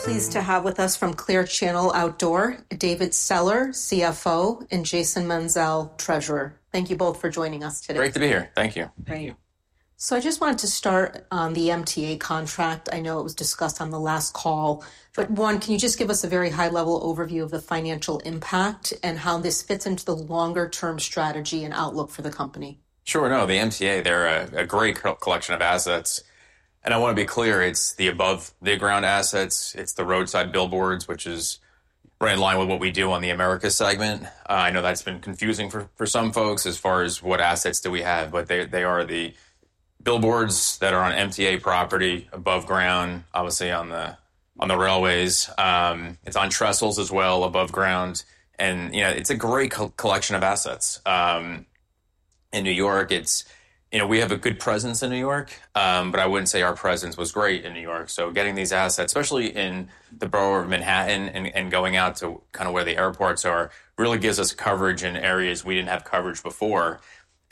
I'm pleased to have with us from Clear Channel Outdoor, David Sailer, CFO, and Jason Menzel, Treasurer. Thank you both for joining us today. Great to be here. Thank you. Thank you. So I just wanted to start on the MTA contract i know it was discussed on the last call, but, One can you just give us a very high-level overview of the financial impact? and how this fits into the longer-term strategy and outlook for the company? Sure no, the MTA, they're a great collection of assets. And I want to be clear, it's the above-the-ground assets. It's the roadside billboards, which is right in line with what we do on the America segment. I know that's been confusing for some folks as far as what assets do we have, but they are the billboards that are on MTA property, above ground, obviously on the railways. It's on trestles as well, above ground. And it's a great collection of assets. In New York, we have a good presence in New York, but I wouldn't say our presence was great in New York so getting these assets, especially in the borough of Manhattan and going out to kind of where the airports are, really gives us coverage in areas we didn't have coverage before.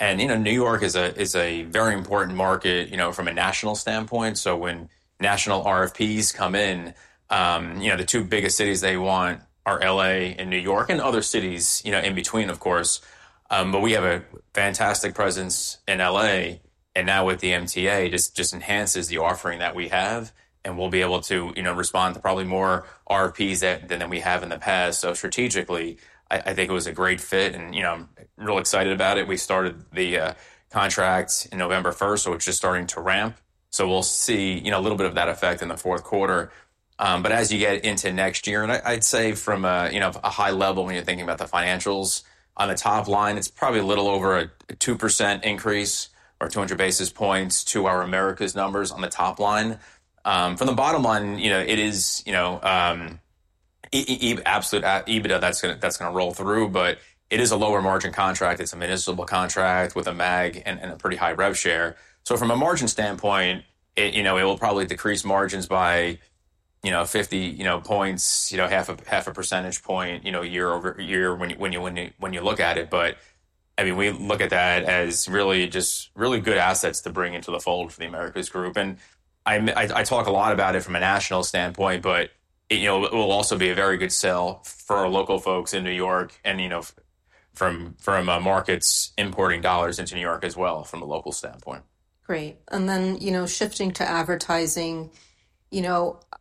And New York is a very important market from a national standpoint so when national RFPs come in, the two biggest cities they want are LA and New York and other cities in between, of course. But we have a fantastic presence in LA. And now with the MTA, it just enhances the offering that we have. And we'll be able to respond to probably more RFPs than we have in the past so strategically. I think it was a great fit and I'm really excited about it we started the contract on November 1st, so it's just starting to ramp. So we'll see a little bit of that effect in the Q4. But as you get into next year, and I'd say from a high level when you're thinking about the financials, on the top line, it's probably a little over a 2% increase or 200 basis points to our America's numbers on the top line. From the bottom line, it is absolute EBITDA that's going to roll through, but it is a lower margin contract it's a municipal contract with a MAG and a pretty high rev share. So from a margin standpoint, it will probably decrease margins by 50 points, half a percentage point year over year when you look at it. But I mean, we look at that as really just really good assets to bring into the fold for the Americas group. I talk a lot about it from a national standpoint, but it will also be a very good sell for our local folks in New York and from markets importing dollars into New York as well from a local standpoint. Great. And then shifting to advertising,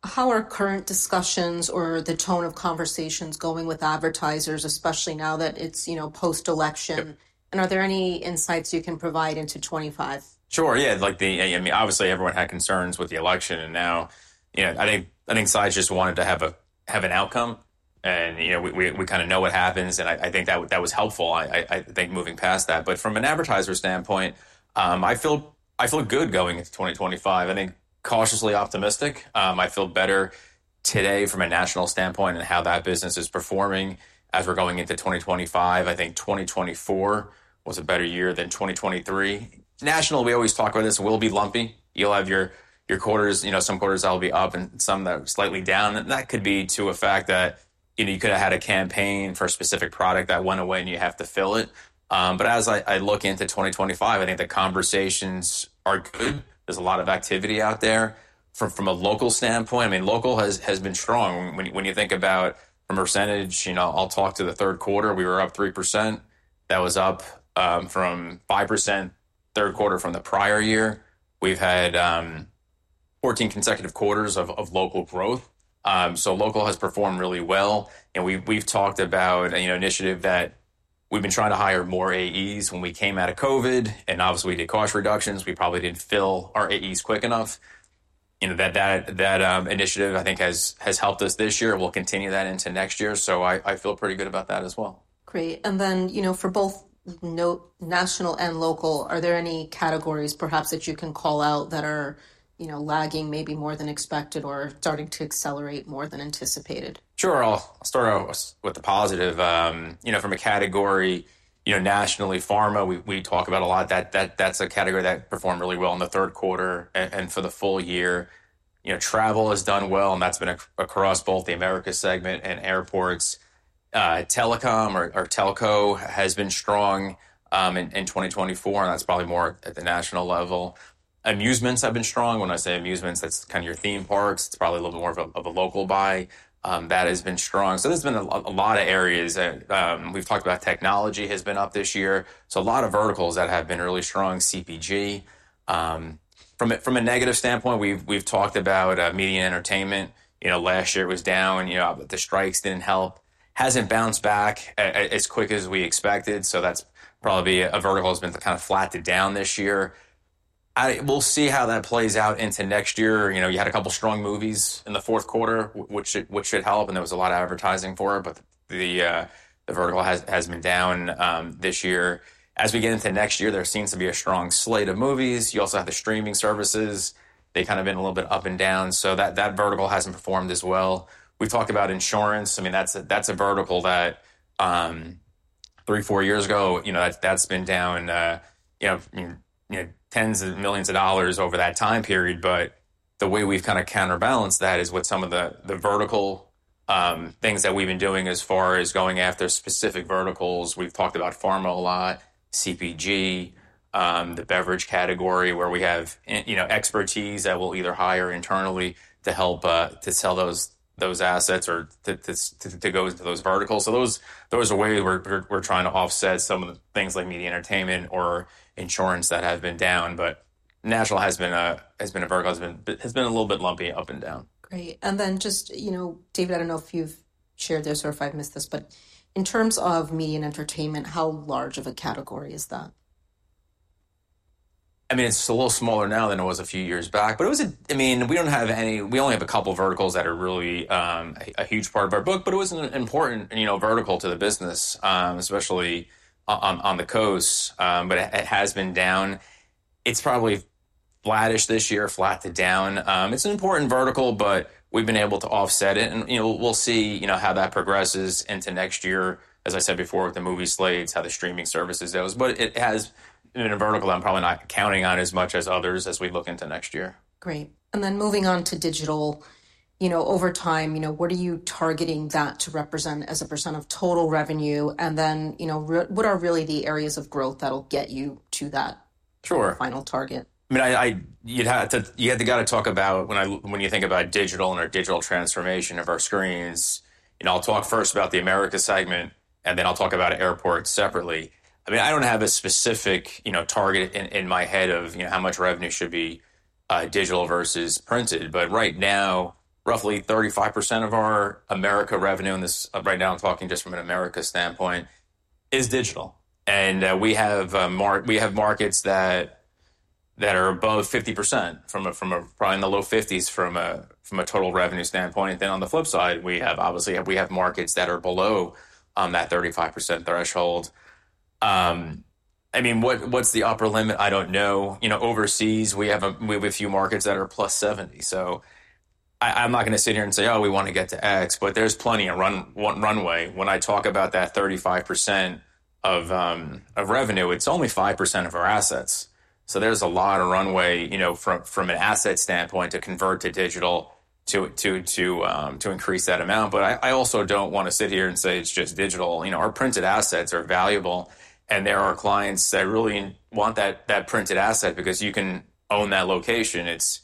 how are current discussions or the tone of conversations going with advertisers, especially now that it's post-election? And are there any insights you can provide into 2025? Sure yeah. I mean, obviously, everyone had concerns with the election and now, I think sides just wanted to have an outcome. And we kind of know what happens and I think that was helpful, I think, moving past that but from an advertiser standpoint, I feel good going into 2025 i think cautiously optimistic. I feel better today from a national standpoint and how that business is performing as we're going into 2025 i think 2024 was a better year than 2023. National, we always talk about this, we'll be lumpy. You'll have your quarters, some quarters that'll be up and some that are slightly down and that could be to a fact that you could have had a campaign for a specific product that went away and you have to fill it. But as I look into 2025, I think the conversations are good there's a lot of activity out there. From a local standpoint, I mean, local has been strong when you think about from percentage, I'll talk to the Q3, we were up 3%. That was up from 5% Q3 from the prior year. We've had 14 consecutive quarters of local growth. So local has performed really well. And we've talked about an initiative that we've been trying to hire more AEs when we came out of COVID and obviously, we did cost reductions we probably didn't fill our AEs quick enough. That initiative, I think, has helped us this year we'll continue that into next year. So I feel pretty good about that as well. Great. And then for both national and local, are there any categories perhaps that you can call out that are lagging maybe more than expected or starting to accelerate more than anticipated? Sure. I'll start out with the positive. From a category, nationally, pharma, we talk about a lot that's a category that performed really well in the Q3 and for the full year. Travel has done well, and that's been across both the America segment and airports. Telecom or telco has been strong in 2024, and that's probably more at the national level. Amusements have been strong when I say amusements, that's kind of your theme parks it's probably a little bit more of a local buy. That has been strong so there's been a lot of areas. We've talked about technology has been up this year. So a lot of verticals that have been really strong, CPG. From a negative standpoint, we've talked about media and entertainment. Last year, it was down the strikes didn't help. Hasn't bounced back as quick as we expected that's probably a vertical that's been kind of flattened down this year. We'll see how that plays out into next year you had a couple of strong movies in the Q4, which should help and there was a lot of advertising for it, but the vertical has been down this year. As we get into next year, there seems to be a strong slate of movies you also have the streaming services. They've kind of been a little bit up and down so that vertical hasn't performed as well. We talked about insurance. I mean, that's a vertical that three, four years ago, that's been down tens of millions of dollars over that time period but the way we've kind of counterbalanced that is with some of the vertical things that we've been doing as far as going after specific verticals we've talked about pharma a lot, CPG. The beverage category where we have expertise that we'll either hire internally to help to sell those assets or to go into those verticals so those are ways we're trying to offset some of the things like media entertainment or insurance that have been down. But national has been a vertical that has been a little bit lumpy, up and down. Great. And then just, David, I don't know if you've shared this or if I've missed this, but in terms of media and entertainment, how large of a category is that? I mean, it's a little smaller now than it was a few years back, but I mean, we only have a couple of verticals that are really a huge part of our book, but it was an important vertical to the business, especially on the coast, but it has been down. It's probably flattish this year, flat to down. It's an important vertical, but we've been able to offset it, and we'll see how that progresses into next year, as I said before, with the movie slates, how the streaming services does, but it has been a vertical that I'm probably not counting on as much as others as we look into next year. Great. And then moving on to digital, over time, what are? you targeting that to represent as a percent of total revenue? And then what are really the areas of growth that'll get you to that final target? Sure. I mean, you had the guy to talk about when you think about digital and our digital transformation of our screens. And I'll talk first about the America segment, and then I'll talk about airports separately. I mean, I don't have a specific target in my head of how much revenue should be digital versus printed but right now, roughly 35% of our America revenue right now, I'm talking just from an America standpoint, is digital. And we have markets that are above 50%, probably in the low 50s from a total revenue standpoint and then on the flip side, obviously, we have markets that are below that 35% threshold. I mean, what's the upper limit? I don't know. Overseas, we have a few markets that are plus 70%. So I'm not going to sit here and say, "Oh, we want to get to X," but there's plenty of runway. When I talk about that 35% of revenue, it's only 5% of our assets. So there's a lot of runway from an asset standpoint to convert to digital to increase that amount but I also don't want to sit here and say it's just digital our printed assets are valuable. And there are clients that really want that printed asset because you can own that location it's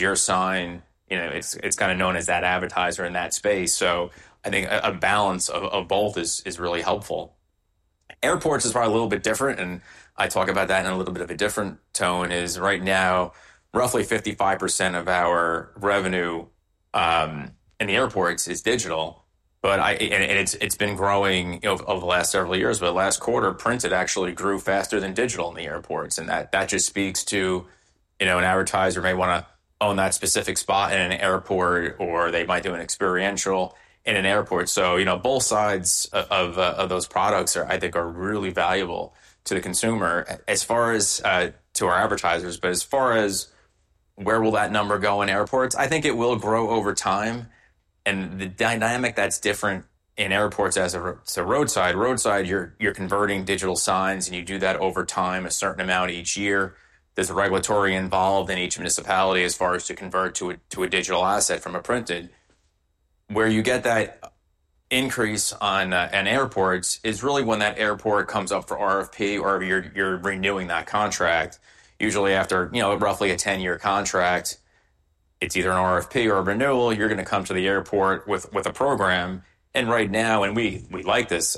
your sign. It's kind of known as that advertiser in that space. So I think a balance of both is really helpful. Airports is probably a little bit different and I talk about that in a little bit of a different tone, is right now, roughly 55% of our revenue in the airports is digital. It's been growing over the last several years last quarter, printed actually grew faster than digital in the airports that just speaks to an advertiser may want to own that specific spot in an airport, or they might do an experiential in an airport. Both sides of those products, I think, are really valuable. To the consumer as far as to our advertisers as far as where will that number go in airports, I think it will grow over time. The dynamic that's different in airports as to roadside, roadside, you're converting digital signs, and you do that over time, a certain amount each year. There's a regulatory involved in each municipality as far as to convert to a digital asset from a printed. Where you get that increase on airports is really when that airport comes up for RFP or you're renewing that contract. Usually, after roughly a 10-year contract, it's either an RFP or a renewal you're going to come to the airport with a program. And right now, and we like this,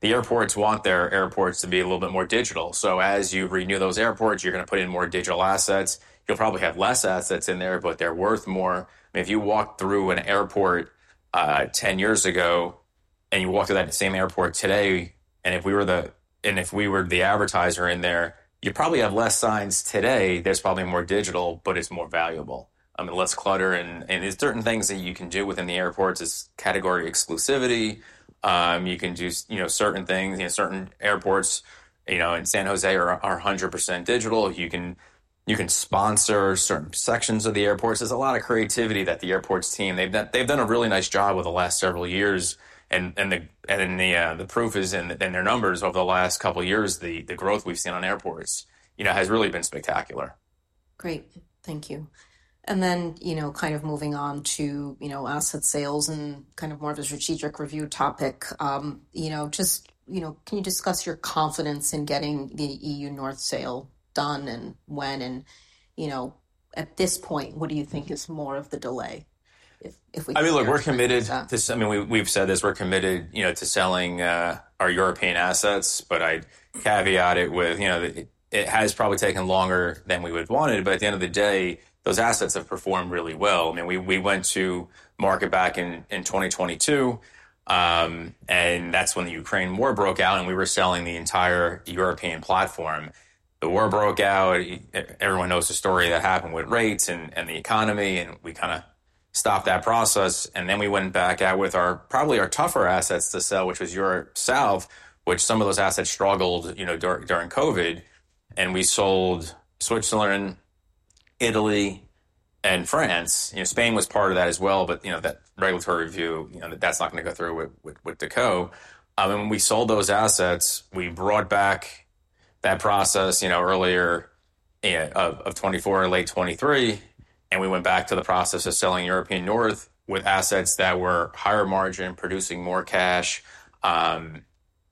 the airports want their airports to be a little bit more digital so as you renew those airports, you're going to put in more digital assets. You'll probably have less assets in there, but they're worth more. If you walked through an airport 10 years ago and you walked through that same airport today, and if we were the advertiser in there, you probably have less signs today there's probably more digital, but it's more valuable. I mean, less clutter. And there's certain things that you can do within the airports it's category exclusivity. You can do certain things certain airports in San Jose are 100% digital you can sponsor certain sections of the airports there's a lot of creativity that the airports team, they've done a really nice job with the last several years. The proof is in their numbers over the last couple of years the growth we've seen on airports has really been spectacular. Great. Thank you. And then kind of moving on to asset sales and kind of more of a strategic review topic, just can you discuss your confidence in getting the Europe North sale done and when? And at this point, what do you think is more of the delay if we can? I mean, look, we're committed to, I mean, we've said this, we're committed to selling our European assets. But I'd caveat it with it has probably taken longer than we would have wanted but at the end of the day, those assets have performed really well i mean, we went to market back in 2022. And that's when the Ukraine war broke out, and we were selling the entire European platform. Everyone knows the story that happened with rates and the economy and we kind of stopped that process and then we went back out with probably our tougher assets to sell, which was Europe South, which some of those assets struggled during COVID. And we sold Switzerland, Italy, and France, Spain was part of that as well but that regulatory review, that's not going to go through with JCDecaux. And when we sold those assets, we brought back that process earlier of 2024 or late 2023. And we went back to the process of selling European North with assets that were higher margin, producing more cash. I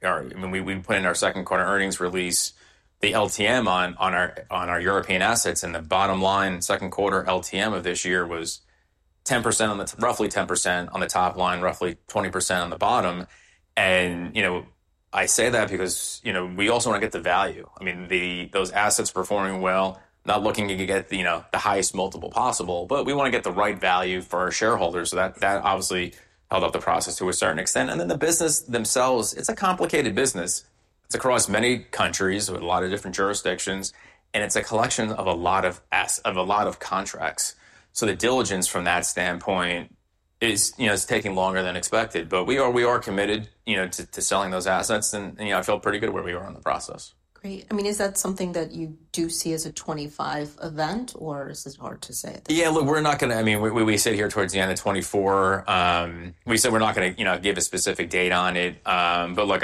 mean, we put in our Q2 earnings release the LTM on our European assets and the bottom line Q2 LTM of this year was 10%, roughly 10% on the top line, roughly 20% on the bottom. And I say that because we also want to get the value i mean, those assets performing well, not looking to get the highest multiple possible, but we want to get the right value for our shareholders so that obviously held up the process to a certain extent and then the business themselves, it's a complicated business. It's across many countries with a lot of different jurisdictions. And it's a collection of a lot of contracts. So the diligence from that standpoint is taking longer than expected but we are committed to selling those assets and I feel pretty good where we are on the process. Great. I mean, is that something that you do see as a 2025 event, or is it hard to say? Yeah, look, we're not going to i mean, we sit here towards the end of 2024. We said we're not going to give a specific date on it. But look,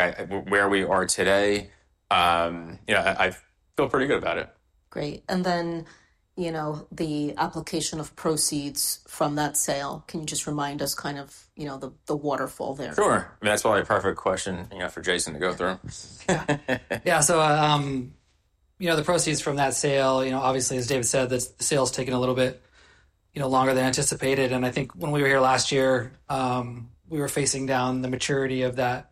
where we are today, I feel pretty good about it. Great, and then the application of proceeds from that sale, can you just remind us kind of the waterfall there? Sure. I mean, that's probably a perfect question for Jason to go through. Yeah so the proceeds from that sale, obviously, as David said, the sale has taken a little bit longer than anticipated and I think when we were here last year, we were facing down the maturity of the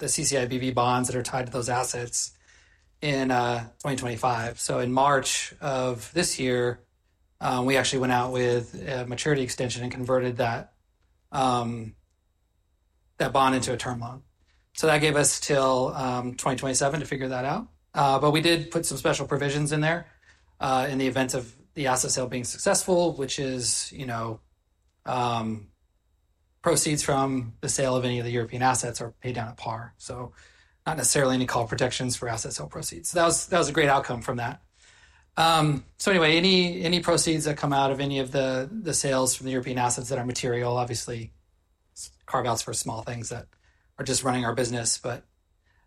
CCIBV bonds that are tied to those assets in. 2025, So in March of this year, we actually went out with a maturity extension and converted that bond into a term loan. So that gave us till 2027 to figure that out. But we did put some special provisions in there in the event of the asset sale being successful, which is proceeds from the sale of any of the European assets are paid down at par. So not necessarily any call protections for asset sale proceeds so that was a great outcome from that. So anyway, any proceeds that come out of any of the sales from the European assets that are material, obviously, carve-outs for small things that are just running our business, but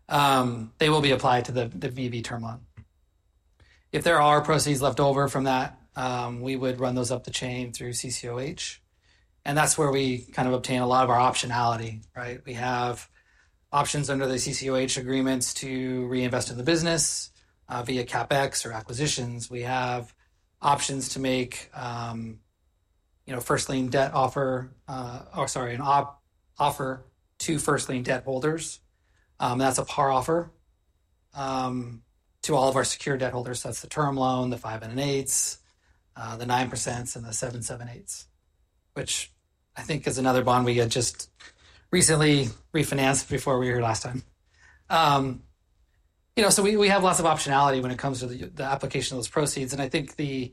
they will be applied to the BV term loan. If there are proceeds left over from that, we would run those up the chain through CCOH. And that's where we kind of obtain a lot of our optionality, right? We have options under the CCOH agreements to reinvest in the business. Via CapEx or acquisitions we have options to make first lien debt offer, or sorry, an offer to first lien debt holders. That's a par offer to all of our secured debt holders that's the term loan, the 5 and 8s, the 9%s, and the 7 7/8s, which I think is another bond we had just recently refinanced before we were here last time. So we have lots of optionality when it comes to the application of those proceeds and I think the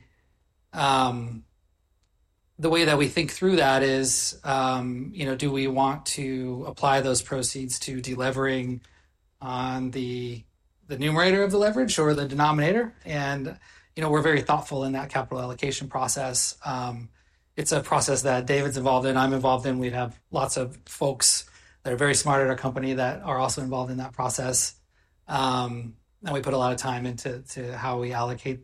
way that we think through that is, do we want to apply those proceeds to delivering on the numerator of the leverage or the denominator? And we're very thoughtful in that capital allocation process. It's a process that David's involved in i'm involved in we'd have lots of folks that are very smart at our company that are also involved in that process. And we put a lot of time into how we allocate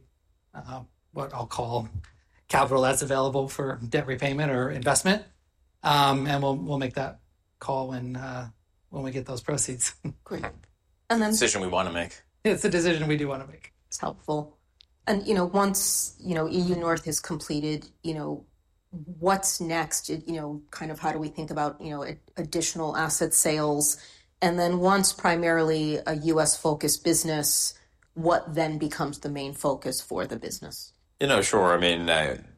what I'll call capital that's available for debt repayment or investment. And we'll make that call when we get those proceeds. Great. Decision we want to make. It's a decision we do want to make. It's helpful. And once Europe North has completed, what's next? Kind of how do we think about additional asset sales? And then once primarily a U.S.-focused business, what then becomes the main focus for the business? Sure i mean,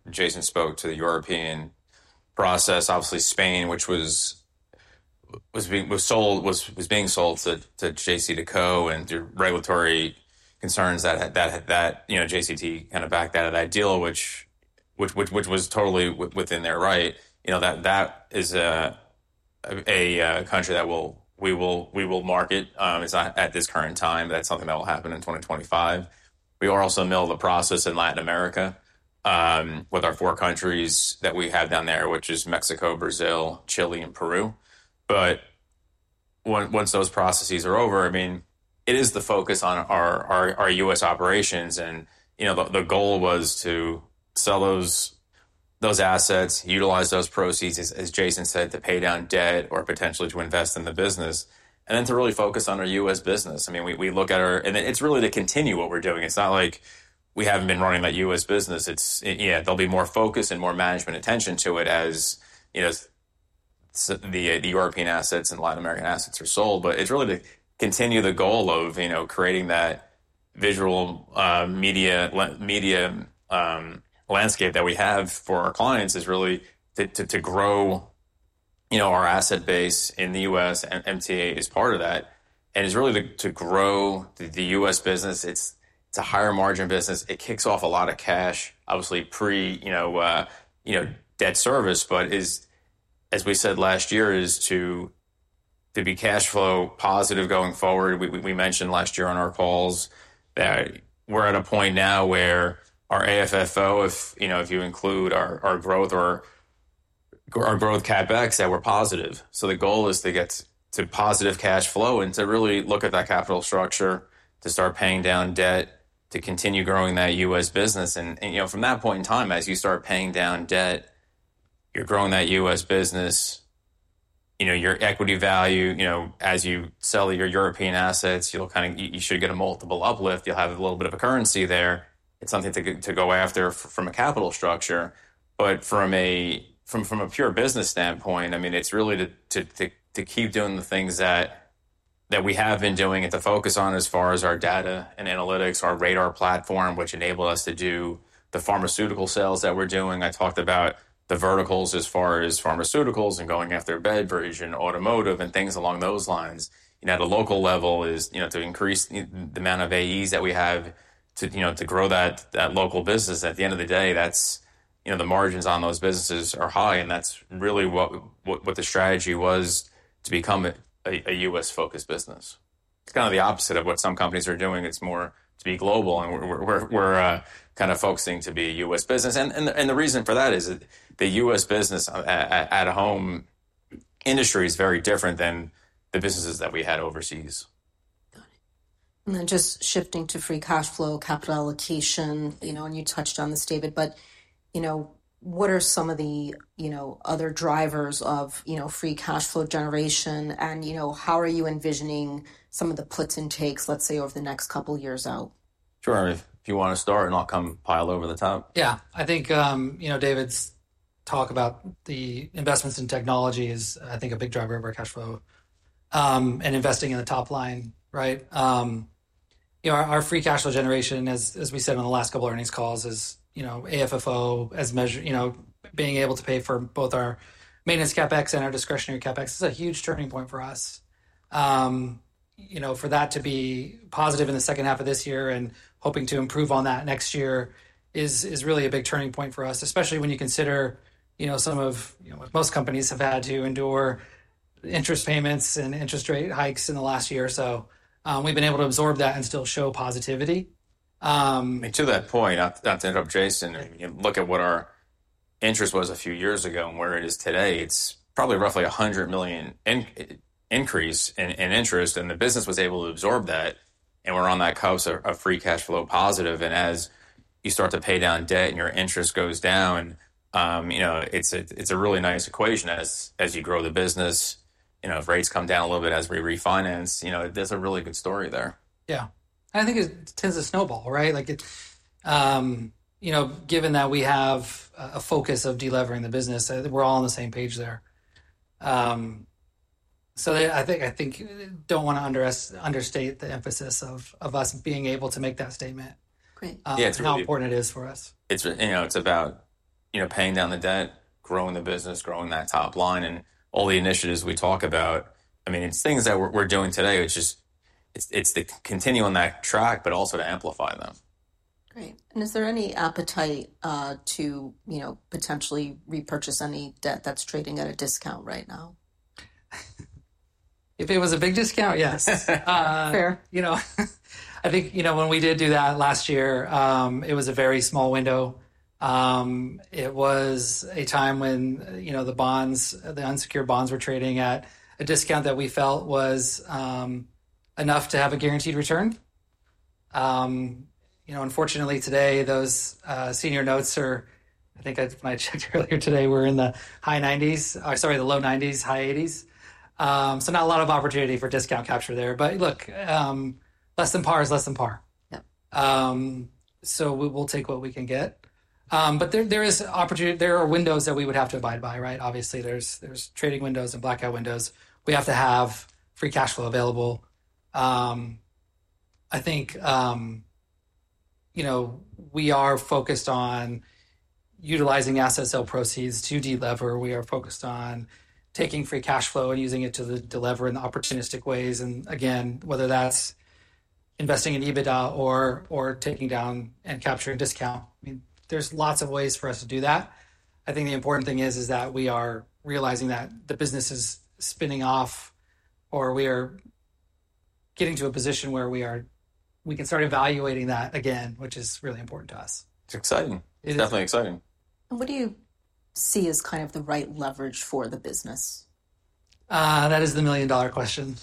Jason spoke to the European process obviously, Spain, which was being sold to JCDecaux and through regulatory concerns that JCDecaux kind of backed out of that deal, which was totally within their right. That is a country that we will market at this current time that's something that will happen in 2025. We are also in the middle of the process in Latin America with our four countries that we have down there, which is Mexico, Brazil, Chile, and Peru. But once those processes are over, I mean, it is the focus on our US operations, and the goal was to sell those assets, utilize those proceeds, as Jason said, to pay down debt or potentially to invest in the business. And then to really focus on our US business i mean, we look at our, and it's really to continue what we're doing. It's not like we haven't been running that U.S. business yeah, there'll be more focus and more management attention to it as the European assets and Latin American assets are sold but it's really to continue the goal of creating that visual media landscape that we have for our clients it's really to grow our asset base in the U.S. and MTA is part of that. And it's really to grow the U.S. business it's a higher margin business its kicks off a lot of cash, obviously, pre-debt service but as we said last year, [the goal] is to be cash flow positive going forward we mentioned last year on our calls that we're at a point now where our AFFO, if you include our growth CapEx, that we're positive. So the goal is to get to positive cash flow and to really look at that capital structure to start paying down debt to continue growing that U.S. business and from that point in time, as you start paying down debt, you're growing that U.S. business. Your equity value, as you sell your European assets, you should get a multiple uplift you'll have a little bit of a currency there. It's something to go after from a capital structure. But from a pure business standpoint, I mean, it's really to keep doing the things that we have been doing and to focus on as far as our data and analytics, our radar platform, which enabled us to do the pharmaceutical sales that we're doing i talked about the verticals as far as pharmaceuticals and going after B2B vertical automotive and things along those lines. And at a local level, is to increase the amount of AEs that we have to grow that local business at the end of the day, the margins on those businesses are high and that's really what the strategy was to become a U.S.-focused business. It's kind of the opposite of what some companies are doing it's more to be global. And we're kind of focusing to be a U.S. business and the reason for that is the U.S. business at home industry is very different than the businesses that we had overseas. Got it and then just shifting to free cash flow, capital allocation, and you touched on this, David, but what are some of the other drivers of free cash flow generation? And how are you envisioning some of the puts and takes, let's say, over the next couple of years out? Sure. If you want to start, and I'll come pile over the top. Yeah. I think David's talk about the investments in technology is, I think, a big driver of our cash flow and investing in the top line, right? Our free cash flow generation, as we said on the last couple of earnings calls, is AFFO as being able to pay for both our maintenance CapEx and our discretionary CapEx it's a huge turning point for us. For that to be positive in the second half of this year and hoping to improve on that next year is really a big turning point for us, especially when you consider some of most companies have had to endure interest payments and interest rate hikes in the last year or so. We've been able to absorb that and still show positivity. I mean, to that point, not to interrupt Jason, look at what our interest was a few years ago and where it is today it's probably roughly a $100 million increase in interest and the business was able to absorb that. And we're on that cusp of free cash flow positive and as you start to pay down debt and your interest goes down, it's a really nice equation as you grow the business. If rates come down a little bit as we refinance, there's a really good story there. Yeah, and I think it tends to snowball, right? Given that we have a focus of delivering the business, we're all on the same page there, so I think I don't want to understate the emphasis of us being able to make that statement and how important it is for us. It's about paying down the debt, growing the business, growing that top line, and all the initiatives we talk about, I mean, it's things that we're doing today it's to continue on that track, but also to amplify them. Great. And is there any appetite to potentially repurchase any debt that's trading at a discount right now? If it was a big discount, yes. Fair. I think when we did do that last year, it was a very small window. It was a time when the bonds, the unsecured bonds, were trading at a discount that we felt was enough to have a guaranteed return? Unfortunately, today, those senior notes are, I think when I checked earlier today, we're in the high 90s, sorry, the low 90s, high 80s. So not a lot of opportunity for discount capture there but look, less than par is less than par. So we'll take what we can get. But there are windows that we would have to abide by, right? Obviously, there's trading windows and blackout windows. We have to have free cash flow available. I think we are focused on utilizing asset sale proceeds to deliver we are focused on taking free cash flow and using it to deliver in opportunistic ways. Again, whether that's investing in EBITDA or taking down and capturing discount, I mean, there's lots of ways for us to do that. I think the important thing is that we are realizing that the business is spinning off or we are getting to a position where we can start evaluating that again, which is really important to us. It's exciting. It's definitely exciting. What do you see as kind of the right leverage for the business? That is the million-dollar question.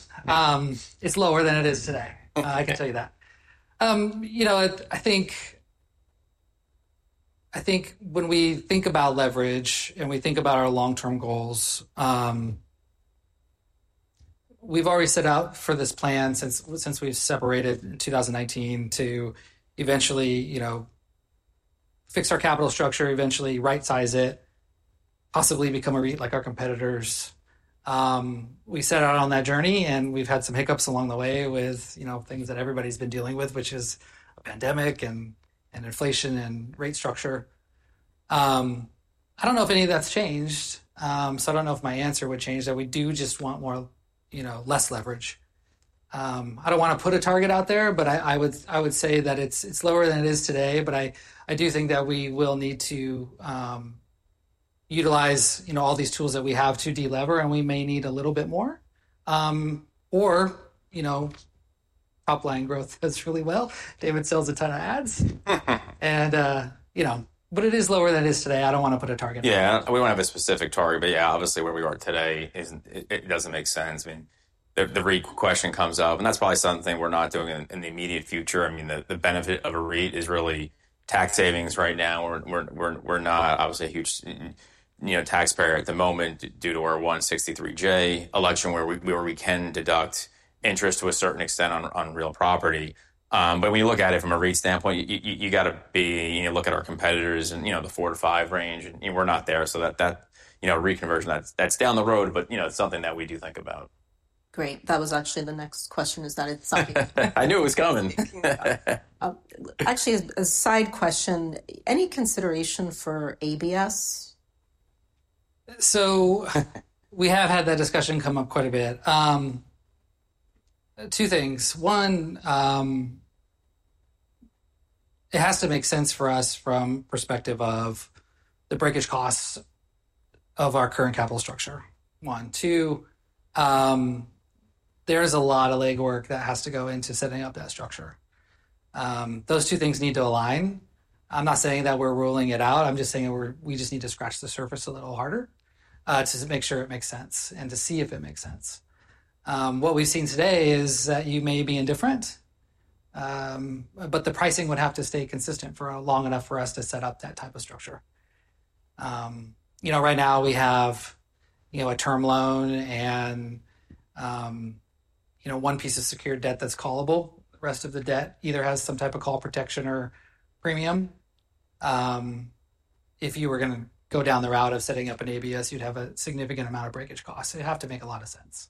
It's lower than it is today. I can tell you that. I think when we think about leverage and we think about our long-term goals, we've already set out for this plan since we separated in 2019 to eventually fix our capital structure, eventually right-size it, possibly become a REIT like our competitors. We set out on that journey, and we've had some hiccups along the way with things that everybody's been dealing with, which is a pandemic and inflation and rate structure. I don't know if any of that's changed. So I don't know if my answer would change that we do just want less leverage. I don't want to put a target out there, but I would say that it's lower than it is today. But I do think that we will need to utilize all these tools that we have to deliver, and we may need a little bit more, or top line growth does really well. David sells a ton of ads. But it is lower than it is today i don't want to put a target on it. Yeah we don't have a specific target but yeah, obviously, where we are today, it doesn't make sense. I mean, the REIT question comes up, and that's probably something we're not doing in the immediate future i mean, the benefit of a REIT is really tax savings right now we're not obviously a huge taxpayer at the moment due to our 163(j) election where we can deduct interest to a certain extent on real property. But when you look at it from a REIT standpoint, you've got to look at our competitors and the four to five range and we're not there so that reconversion, that's down the road, but it's something that we do think about. Great. That was actually the next question. Is that it's something. I knew it was coming. Actually, a side question. Any consideration for ABS? So we have had that discussion come up quite a bit. Two things. One, it has to make sense for us from the perspective of the breakage costs of our current capital structure. One, Two, there is a lot of legwork that has to go into setting up that structure. Those two things need to align. I'm not saying that we're ruling it out im just saying we just need to scratch the surface a little harder to make sure it makes sense and to see if it makes sense. What we've seen today is that you may be indifferent, but the pricing would have to stay consistent for long enough for us to set up that type of structure. Right now, we have a term loan and one piece of secured debt that's callable the rest of the debt either has some type of call protection or premium. If you were going to go down the route of setting up an ABS, you'd have a significant amount of breakage costs it would have to make a lot of sense.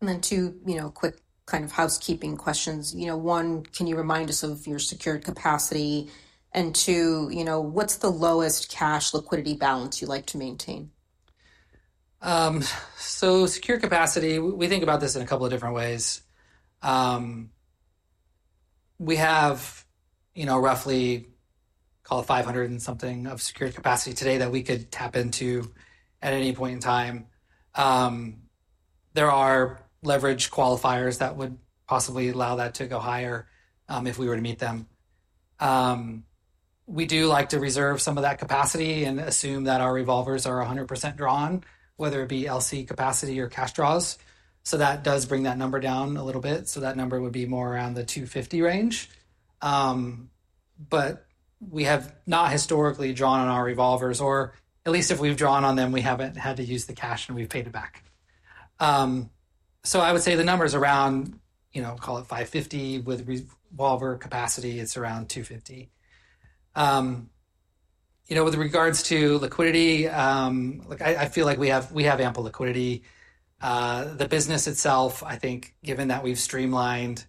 And then two quick kind of housekeeping questions, One, can you remind us of your secured capacity? And two, what's the lowest cash liquidity balance you like to maintain? Secured capacity, we think about this in a couple of different ways. We have roughly, call it 500 and something of secured capacity today that we could tap into at any point in time. There are leverage qualifiers that would possibly allow that to go higher if we were to meet them. We do like to reserve some of that capacity and assume that our revolvers are 100% drawn, whether it be LC capacity or cash draws. That does bring that number down a little bit that number would be more around the 250 range. But we have not historically drawn on our revolvers, or at least if we've drawn on them, we haven't had to use the cash and we've paid it back. I would say the numbers around, call it 550 with revolver capacity, it's around 250. With regards to liquidity, I feel like we have ample liquidity. The business itself, I think, given that we've streamlined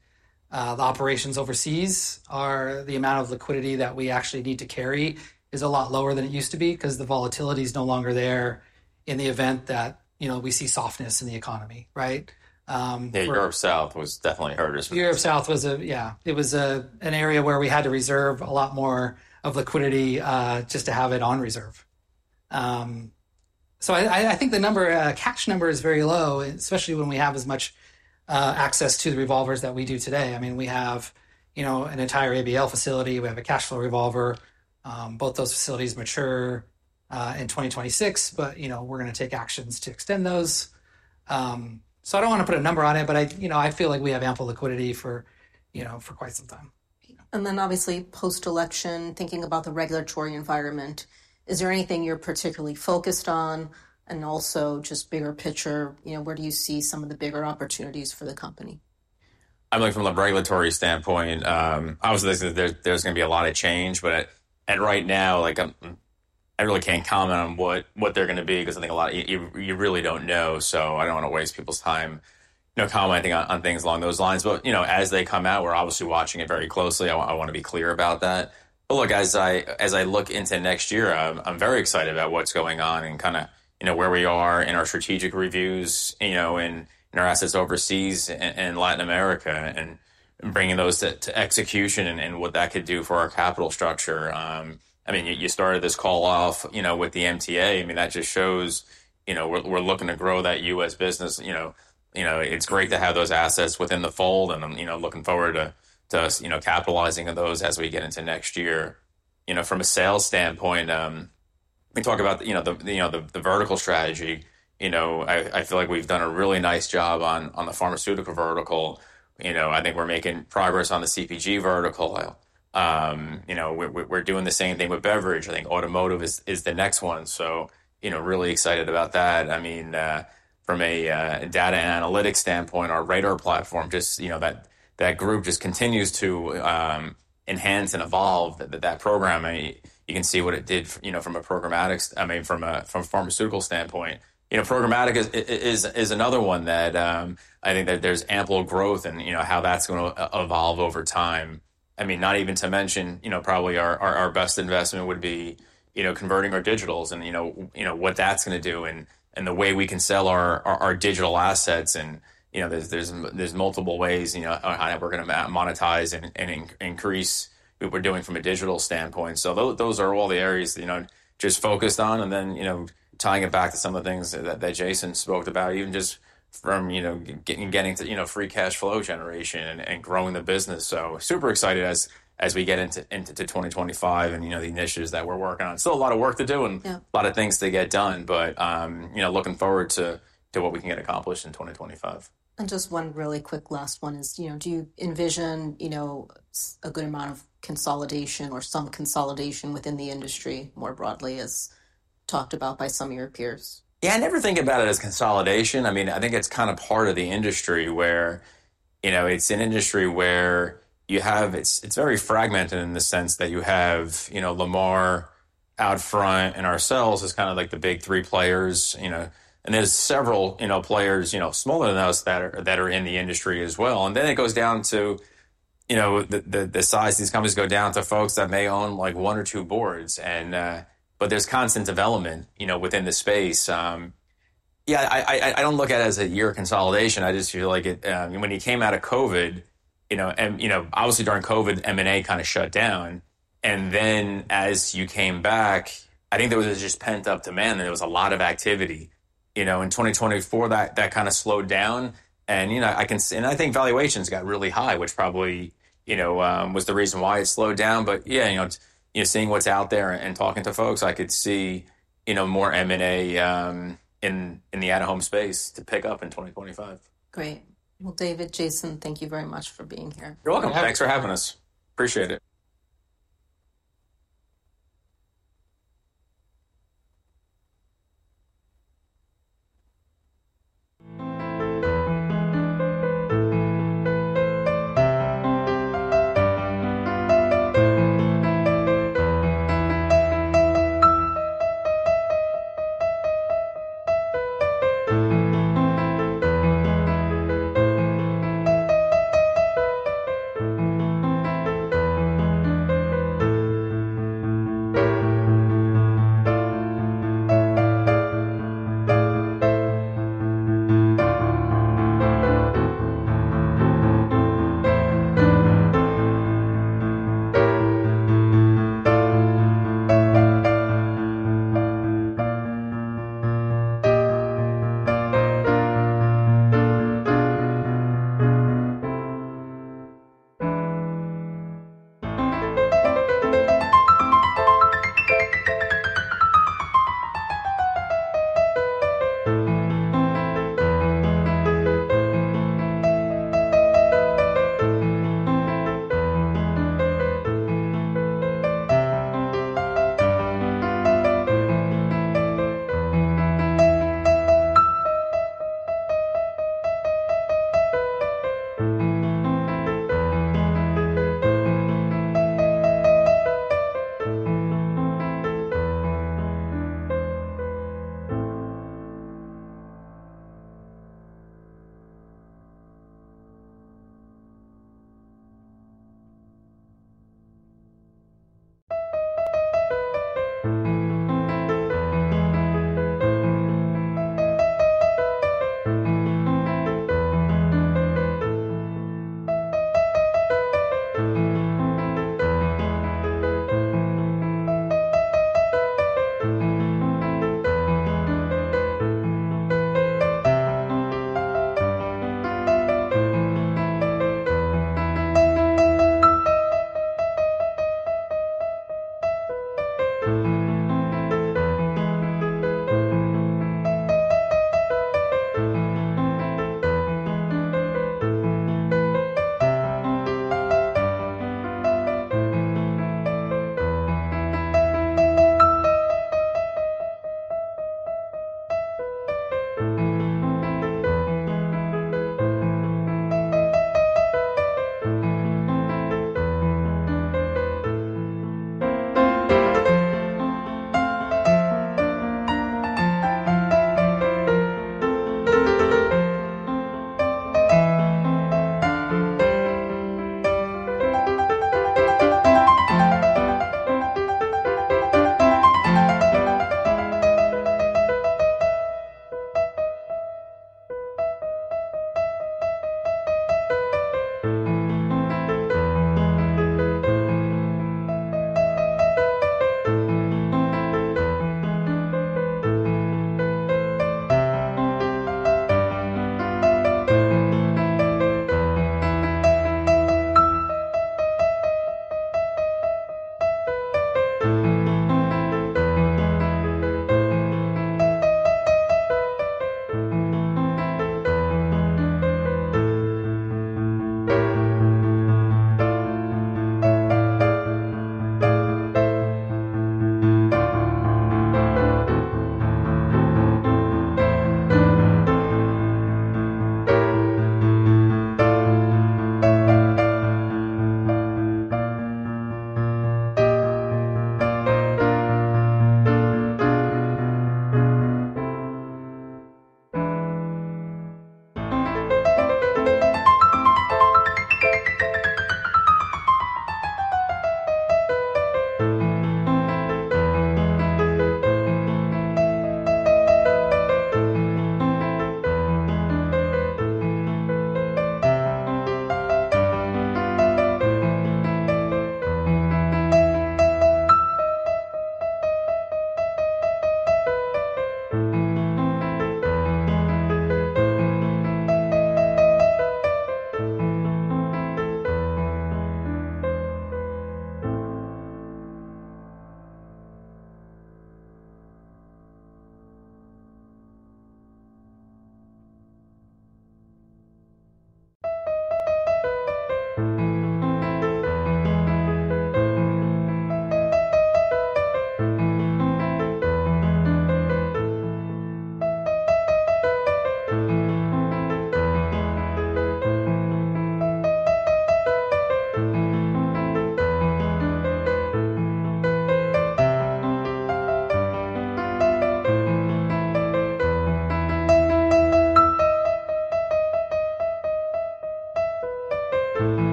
the operations overseas, the amount of liquidity that we actually need to carry is a lot lower than it used to be because the volatility is no longer there in the event that we see softness in the economy, right? The Europe South was definitely harder. The Europe South was. It was an area where we had to reserve a lot more of liquidity just to have it on reserve. So I think the cash number is very low, especially when we have as much access to the revolvers that we do today i mean, we have an entire ABL facility we have a cash flow revolver. Both those facilities mature in 2026, but we're going to take actions to extend those. So I don't want to put a number on it, but I feel like we have ample liquidity for quite some time. And then obviously, post-election, thinking about the regulatory environment, is there anything you're particularly focused on? And also just bigger picture, where do you see some of the bigger opportunities for the company? I mean, from a regulatory standpoint, obviously, there's going to be a lot of change. But right now, I really can't comment on what they're going to be because I think you really don't know so I don't want to waste people's time commenting on things along those lines but as they come out, we're obviously watching it very closely i want to be clear about that. But look, as I look into next year, I'm very excited about what's going on and kind of where we are in our strategic reviews and our assets overseas and Latin America and bringing those to execution and what that could do for our capital structure. I mean, you started this call off with the MTA i mean, that just shows we're looking to grow that U.S. business. It's great to have those assets within the fold and looking forward to capitalizing on those as we get into next year. From a sales standpoint, we talk about the vertical strategy. I feel like we've done a really nice job on the pharmaceutical vertical. I think we're making progress on the CPG vertical. We're doing the same thing with beverage i think automotive is the next one. So really excited about that. I mean, from a data and analytics standpoint, our RADAR platform, that group just continues to enhance and evolve that program you can see what it did from a programmatic, I mean, from a pharmaceutical standpoint. Programmatic is another one that I think that there's ample growth and how that's going to evolve over time. I mean, not even to mention probably our best investment would be converting our digitals and what that's going to do and the way we can sell our digital assets, and there's multiple ways how we're going to monetize and increase what we're doing from a digital standpoint, so those are all the areas just focused on, and then tying it back to some of the things that Jason spoke about Even just from getting to free cash flow generation and growing the business, so super excited as we get into 2025 and the initiatives that we're working on still a lot of work to do and a lot of things to get done, but looking forward to what we can get accomplished in 2025. Just one really quick last one is, do you envision a good amount of consolidation or some consolidation within the industry more broadly as talked about by some of your peers? Yeah, I never think about it as consolidatio i mean, I think it's kind of part of the industry where it's an industry where it's very fragmented in the sense that you have Lamar, OUTFRONT, and ourselves as kind of like the big three players. And there's several players smaller than us that are in the industry as well and then it goes down to the size of these companies go down to folks that may own like one or two boards. But there's constant development within the space. Yeah, I don't look at it as a year of consolidation i just feel like when you came out of COVID, obviously during COVID, M&A kind of shut down. And then as you came back, I think there was just pent-up demand and there was a lot of activity. In 2024, that kind of slowed down. I think valuations got really high, which probably was the reason why it slowed down yeah, seeing what's out there and talking to folks, I could see more M&A in the at-home space to pick up in 2025. Great. Well, David, Jason, thank you very much for being here. You're welcome. Thanks for having us. Appreciate it.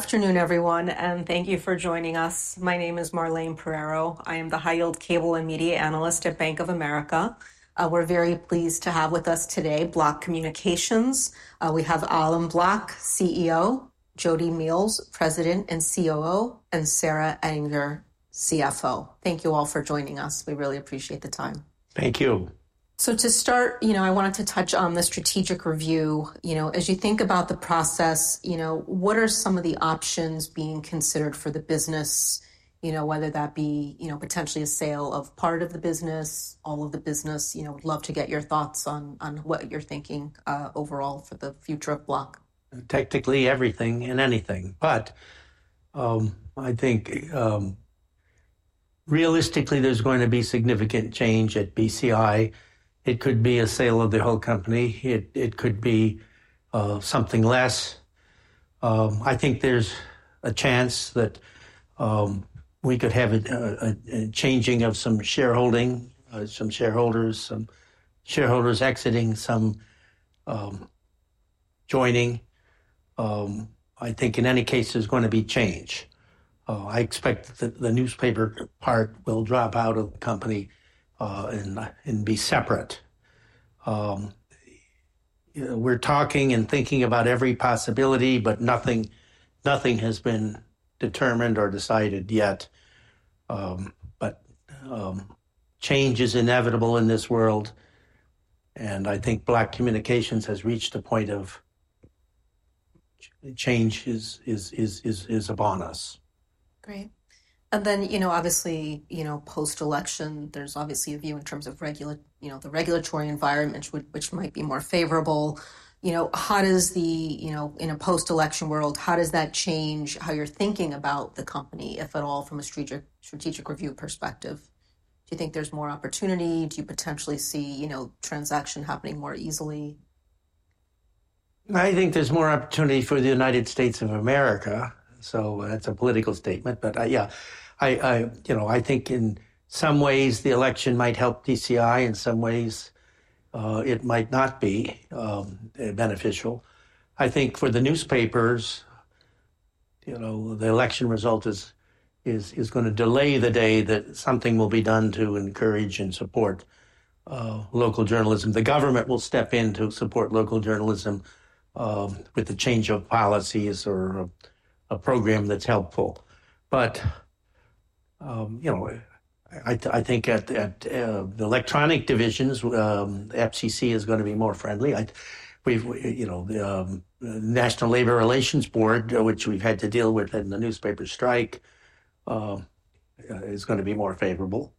Good afternoon, everyone, and thank you for joining us. My name is Marlene Pereiro i am the high-yield cable and media analyst at Bank of America. We're very pleased to have with us today Block Communications. We have Allan Block, CEO, Jodi Miehls, President and COO, and Sarah Unger, CFO. Thank you all for joining us we really appreciate the time. Thank you. To start, I wanted to touch on the strategic review. As you think about the process, what are some of the options being considered for the business, whether that be potentially a sale of part of the business, all of the business? We'd love to get your thoughts on what you're thinking overall for the future of Block. Technically, everything and anything, but I think realistically, there's going to be significant change at BCI. It could be a sale of the whole company t could be something less. I think there's a chance that we could have a changing of some shareholding, some shareholders, some shareholders exiting, some joining. I think in any case, there's going to be change. I expect that the newspaper part will drop out of the company and be separate. We're talking and thinking about every possibility, but nothing has been determined or decided yet, but change is inevitable in this world, and I think Block Communications has reached the point of change is upon us. Great. And then obviously, post-election, there's obviously a view in terms of the regulatory environment, which might be more favorable. In a post-election world, how does that change how you're thinking about the company, if at all, from a strategic review perspective? Do you think there's more opportunity? Do you potentially see transaction happening more easily? I think there's more opportunity for the United States of America. So that's a political statement. But yeah, I think in some ways, the election might help BCI. In some ways, it might not be beneficial. I think for the newspapers, the election result is going to delay the day that something will be done to encourage and support local journalism. The government will step in to support local journalism with a change of policies or a program that's helpful. But I think at the electronic divisions, FCC is going to be more friendly. The National Labor Relations Board, which we've had to deal with in the newspaper strike, is going to be more favorable.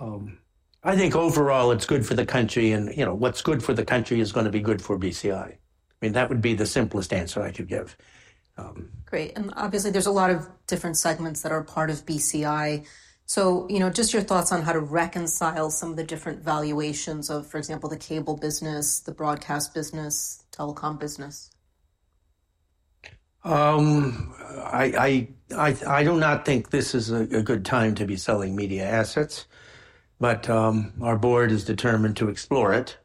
I think overall, it's good for the country and what's good for the country is going to be good for BCI. I mean, that would be the simplest answer I could give. Great. And obviously, there's a lot of different segments that are part of BCI. So just your thoughts on how to reconcile some of the different valuations of, for example, the cable business, the broadcast business, telecom business? I do not think this is a good time to be selling media assets, but our board is determined to explore it.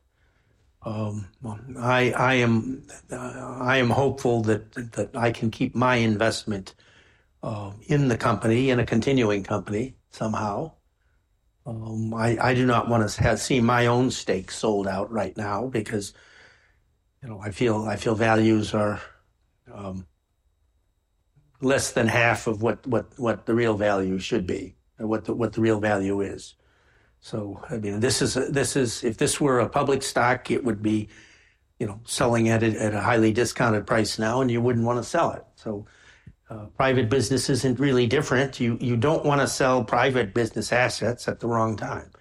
I am hopeful that I can keep my investment in the company, in a continuing company somehow. I do not want to see my own stake sold out right now because I feel values are less than half of what the real value should be, what the real value is. So I mean, if this were a public stock, it would be selling at a highly discounted price now, and you wouldn't want to sell it. So private business isn't really different you don't want to sell private business assets at the wrong time.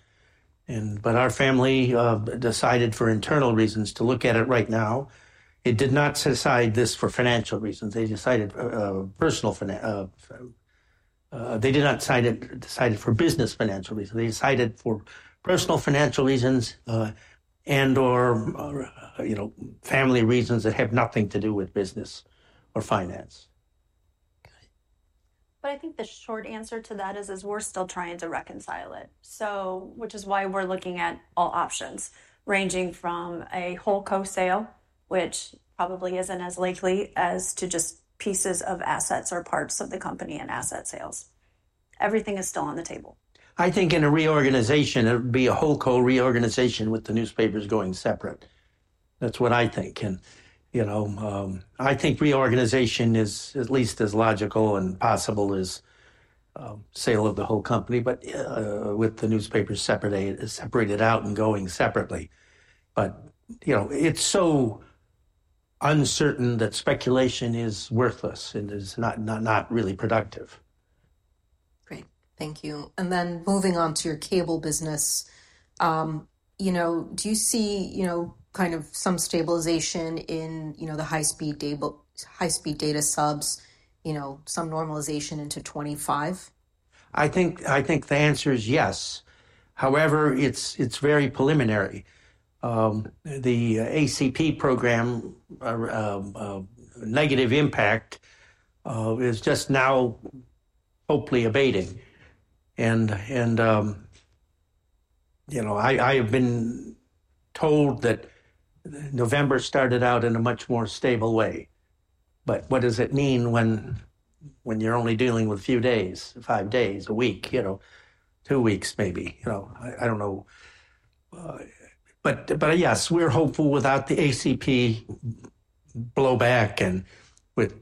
But our family decided for internal reasons to look at it right now. It did not decide this for financial reasons they decided personal they did not decide it for business financial reasons they decided for personal financial reasons and/or family reasons that have nothing to do with business or finance. But I think the short answer to that is we're still trying to reconcile it, which is why we're looking at all options ranging from a WholeCo sale, which probably isn't as likely as to just pieces of assets or parts of the company and asset sales. Everything is still on the table. I think in a reorganization, it would be a WholeCo reorganization with the newspapers going separate. That's what I think, and I think reorganization is at least as logical and possible as sale of the whole company, but with the newspapers separated out and going separately, but it's so uncertain that speculation is worthless and is not really productive. Great. Thank you and then moving on to your cable business, do you see kind of some stabilization in the high-speed data subs, some normalization into 2025? I think the answer is yes. However, it's very preliminary. The ACP program, negative impact, is just now hopefully abating. And I have been told that November started out in a much more stable way. But what does it mean when you're only dealing with a few days, five days, a week, two weeks, maybe? I don't know. But yes, we're hopeful without the ACP blowback and with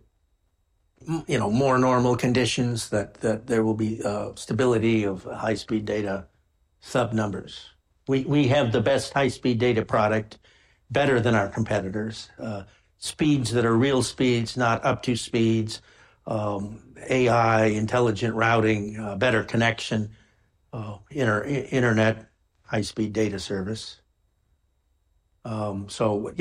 more normal conditions that there will be stability of high-speed data sub-numbers. We have the best high-speed data product, better than our competitors. Speeds that are real speeds, not up-to-speeds, AI, intelligent routing, better connection, internet, high-speed data service. So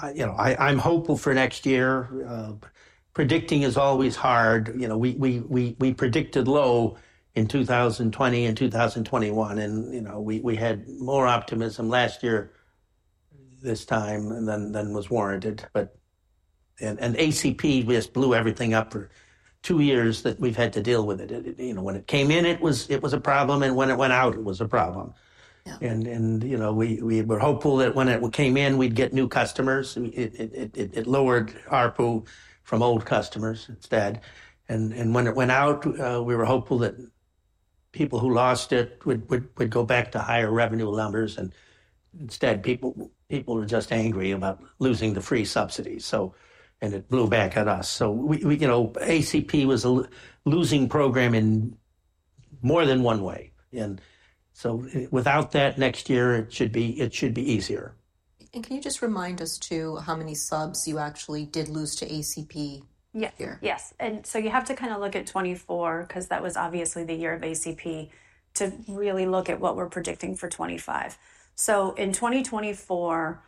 I'm hopeful for next year. Predicting is always hard we predicted low in 2020 and 2021, and we had more optimism last year this time than was warranted. And ACP just blew everything up for two years that we've had to deal with it when it came in, it was a problem, and when it went out, it was a problem. And we were hopeful that when it came in, we'd get new customers. It lowered our pool from old customers instead. And when it went out, we were hopeful that people who lost it would go back to higher revenue numbers. And instead, people were just angry about losing the free subsidies, and it blew back at us so ACP was a losing program in more than one way. And so without that next year, it should be easier. Can you just remind us, too, how many subs you actually did lose to ACP? Yes yes and so you have to kind of look at 2024 because that was obviously the year of ACP to really look at what we're predicting for 2025. So in 2024,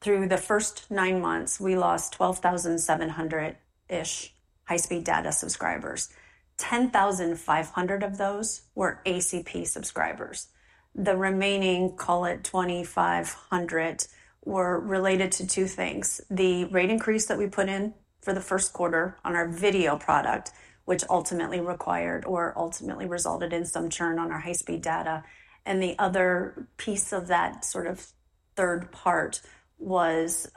through the first nine months, we lost 12,700-ish high-speed data subscribers. 10,500 of those were ACP subscribers. The remaining, call it 2,500, were related to two things, the rate increase that we put in for the Q1 on our video product, which ultimately required or ultimately resulted in some churn on our high-speed data. And the other piece of that sort of third part was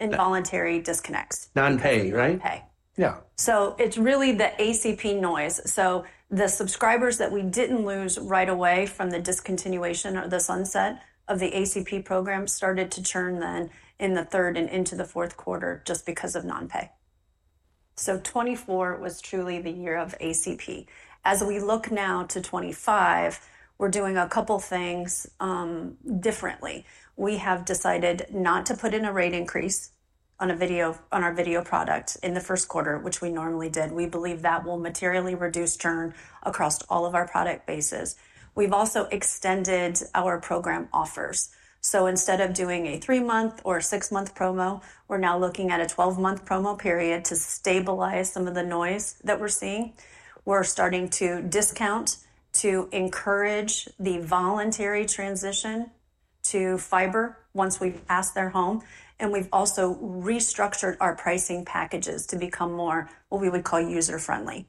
involuntary disconnects. Non-pay, right? Non-pay. Yeah. So it's really the ACP noise. So the subscribers that we didn't lose right away from the discontinuation or the sunset of the ACP program started to churn then in the third and into the Q4 just because of non-pay. So 2024 was truly the year of ACP. As we look now to 2025, we're doing a couple of things differently. We have decided not to put in a rate increase on our video product in the Q1, which we normally did we believe that will materially reduce churn across all of our product bases. We've also extended our program offers. So instead of doing a three-month or six-month promo, we're now looking at a 12-month promo period to stabilize some of the noise that we're seeing. We're starting to discount to encourage the voluntary transition to fiber once we pass their home. We've also restructured our pricing packages to become more what we would call user-friendly.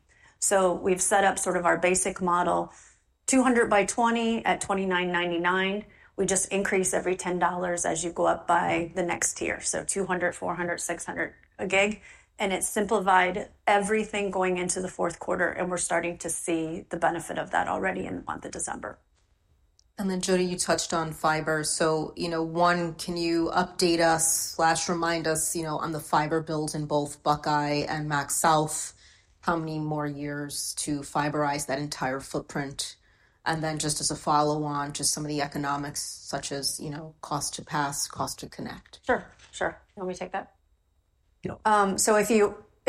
We've set up sort of our basic model, 200 by 20 at $29.99. We just increase every $10 as you go up by the next tier, so 200, 400, 600 a gig. It's simplified everything going into the Q4 we're starting to see the benefit of that already in the month of December. Then, Jodi, you touched on fiber. One, can you update us/remind us on the fiber builds in both Buckeye and MaxxSouth, how many more years to fiberize that entire footprint? Just as a follow-on, just some of the economics, such as cost to pass, cost to connect. Sure sure. Let me take that. So if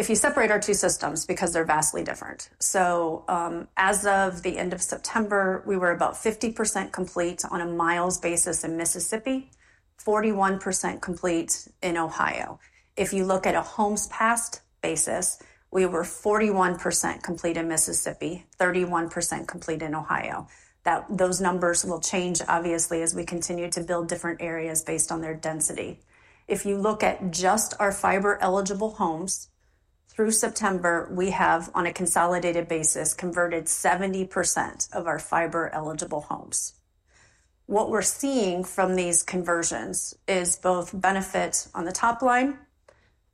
you separate our two systems because they're vastly different. So as of the end of September, we were about 50% complete on a miles basis in Mississippi, 41% complete in Ohio. If you look at a homes passed basis, we were 41% complete in Mississippi, 31% complete in Ohio. Those numbers will change, obviously, as we continue to build different areas based on their density. If you look at just our fiber-eligible homes, through September, we have, on a consolidated basis, converted 70% of our fiber-eligible homes. What we're seeing from these conversions is both benefit on the top line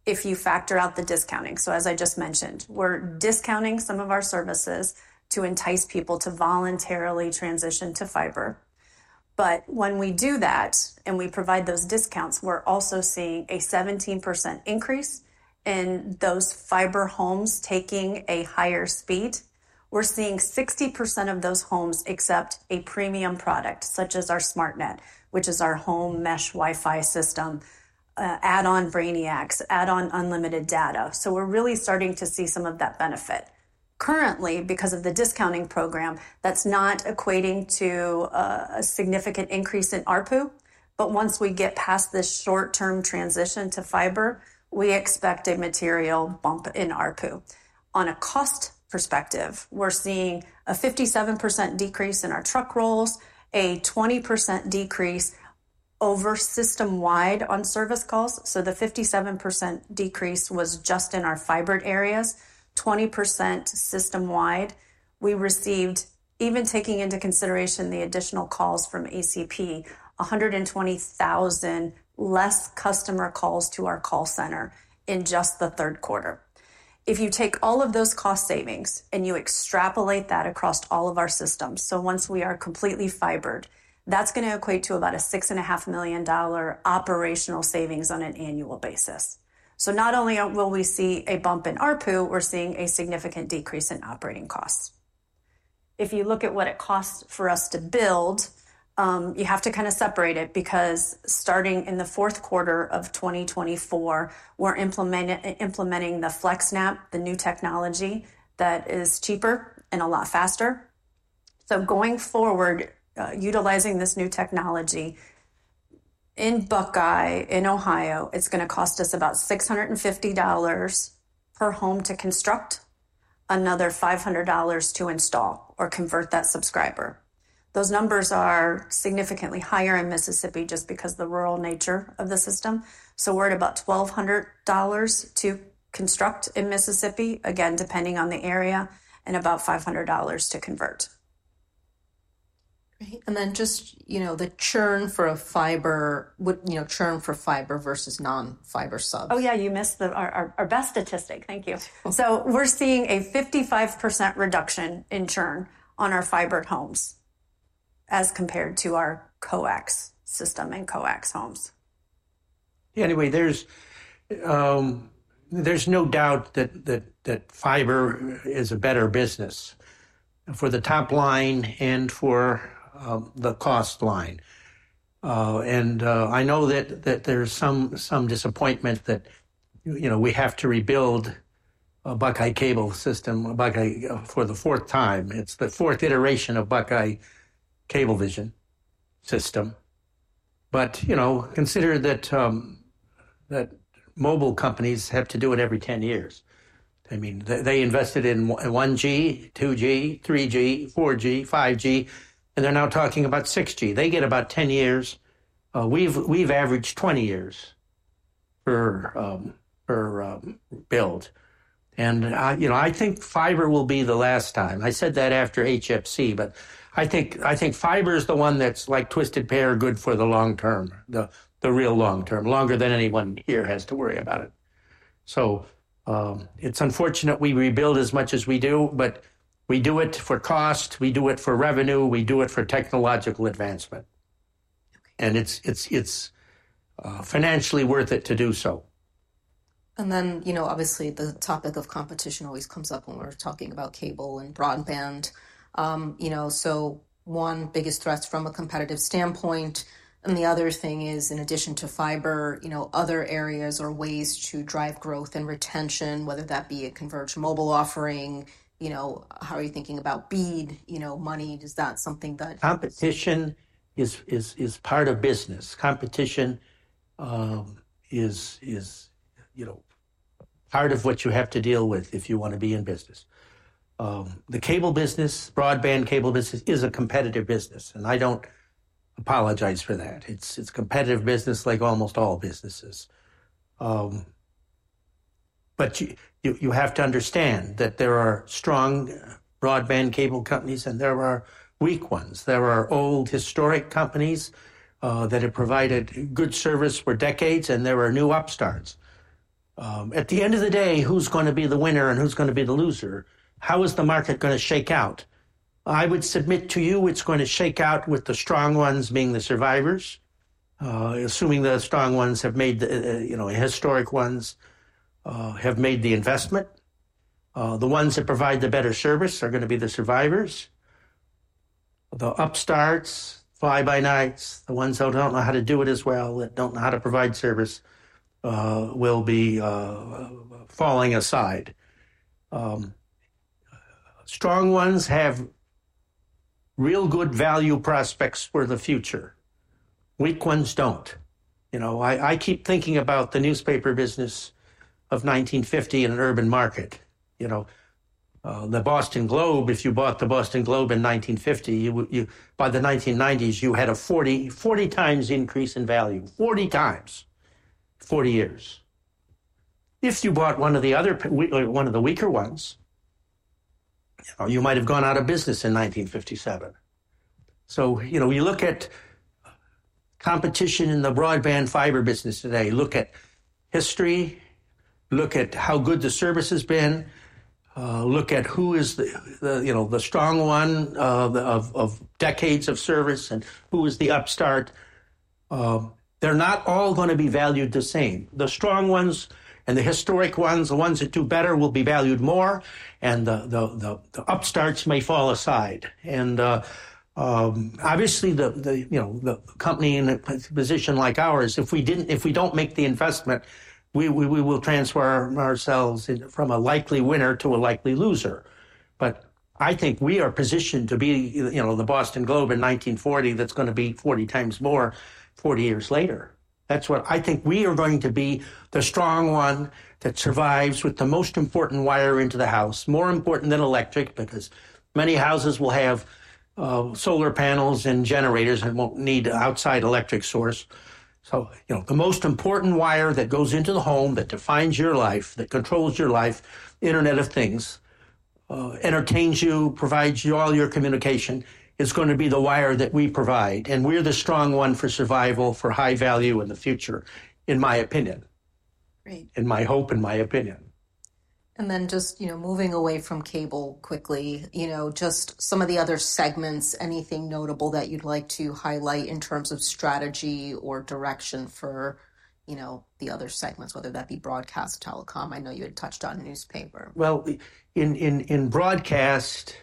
if you factor out the discounting so as I just mentioned, we're discounting some of our services to entice people to voluntarily transition to fiber. But when we do that and we provide those discounts, we're also seeing a 17% increase in those fiber homes taking a higher speed. We're seeing 60% of those homes accept a premium product, such as our SmartNet, which is our home mesh Wi-Fi system, add-on Brainiacs, add-on unlimited data so we're really starting to see some of that benefit. Currently, because of the discounting program, that's not equating to a significant increase in our pool. But once we get past this short-term transition to fiber, we expect a material bump in our pool. On a cost perspective, we're seeing a 57% decrease in our truck rolls, a 20% decrease over system-wide on service calls so the 57% decrease was just in our fibered areas, 20% system-wide. We received, even taking into consideration the additional calls from ACP, 120,000 less customer calls to our call center in just the Q3. If you take all of those cost savings and you extrapolate that across all of our systems, so once we are completely fibered, that's going to equate to about a $6.5 million operational savings on an annual basis. So not only will we see a bump in our pool, we're seeing a significant decrease in operating costs. If you look at what it costs for us to build, you have to kind of separate it because starting in the Q4 of 2024, we're implementing the FlexNAP, the new technology that is cheaper and a lot faster. So going forward, utilizing this new technology in Buckeye, in Ohio, it's going to cost us about $650 per home to construct, another $500 to install or convert that subscriber. Those numbers are significantly higher in Mississippi just because of the rural nature of the system. So we're at about $1,200 to construct in Mississippi, again, depending on the area, and about $500 to convert. Great and then just the churn for fiber versus non-fiber subs. Oh, yeah, you missed our best statistic. Thank you. We're seeing a 55% reduction in churn on our fibered homes as compared to our coax system and coax homes. Anyway, there's no doubt that fiber is a better business for the top line and for the cost line. And I know that there's some disappointment that we have to rebuild a Buckeye CableSystem for the fourth time it's the fourth iteration of Buckeye Cable vision System. But consider that mobile companies have to do it every 10 years. I mean, they invested in 1G, 2G, 3G, 4G, 5G, and they're now talking about 6G they get about 10 years. We've averaged 20 years for build. And I think fiber will be the last time i said that after HFC, but I think fiber is the one that's like twisted pair, good for the long term, the real long term, longer than anyone here has to worry about it. So it's unfortunate we rebuild as much as we do, but we do it for cost we do it for revenue we do it for technological advancement, and it's financially worth it to do so. And then, obviously, the topic of competition always comes up when we're talking about cable and broadband. So one biggest threat from a competitive standpoint. And the other thing is, in addition to fiber, other areas or ways to drive growth and retention, whether that be a converged mobile offering, how are you thinking about BEAD money? Is that something that. Competition is part of business, Competition is part of what you have to deal with if you want to be in business. The cable business, broadband cable business, is a competitive business, and I don't apologize for that it's a competitive business like almost all businesses, but you have to understand that there are strong broadband cable companies and there are weak ones there are old historic companies that have provided good service for decades and there are new upstarts. At the end of the day, who's going to be the winner and who's going to be the loser? How is the market going to shake out? I would submit to you it's going to shake out with the strong ones being the survivors, assuming the strong ones, the historic ones, have made the investment. The ones that provide the better service are going to be the survivors. The upstarts, fly-by-nights, the ones who don't know how to do it as well, that don't know how to provide service, will be falling aside. Strong ones have real good value prospects for the future. Weak ones don't. I keep thinking about the newspaper business of 1950 in an urban market. The Boston Globe, if you bought the Boston Globe in 1950, by the 1990s, you had a 40 times increase in value, 40 times, 40 years. If you bought one of the other weaker ones, you might have gone out of business in 1957. So you look at competition in the broadband fiber business today, look at history, look at how good the service has been, look at who is the strong one of decades of service and who is the upstart. They're not all going to be valued the same. The strong ones and the historic ones, the ones that do better will be valued more, and the upstarts may fall aside. And obviously, the company in a position like ours, if we don't make the investment, we will transfer ourselves from a likely winner to a likely loser. But I think we are positioned to be the Boston Globe in 1940 that's going to be 40 times more 40 years later. That's what I think we are going to be, the strong one that survives with the most important wire into the house, more important than electric because many houses will have solar panels and generators and won't need an outside electric source. The most important wire that goes into the home that defines your life, that controls your life, Internet of Things, entertains you, provides you all your communication, is going to be the wire that we provide, We're the strong one for survival, for high value in the future, in my opinion, in my hope, in my opinion. And then just moving away from cable quickly, just some of the other segments, anything notable that you'd like to highlight in terms of strategy or direction for the other segments, whether that be broadcast telecom? I know you had touched on newspaper. In broadcast,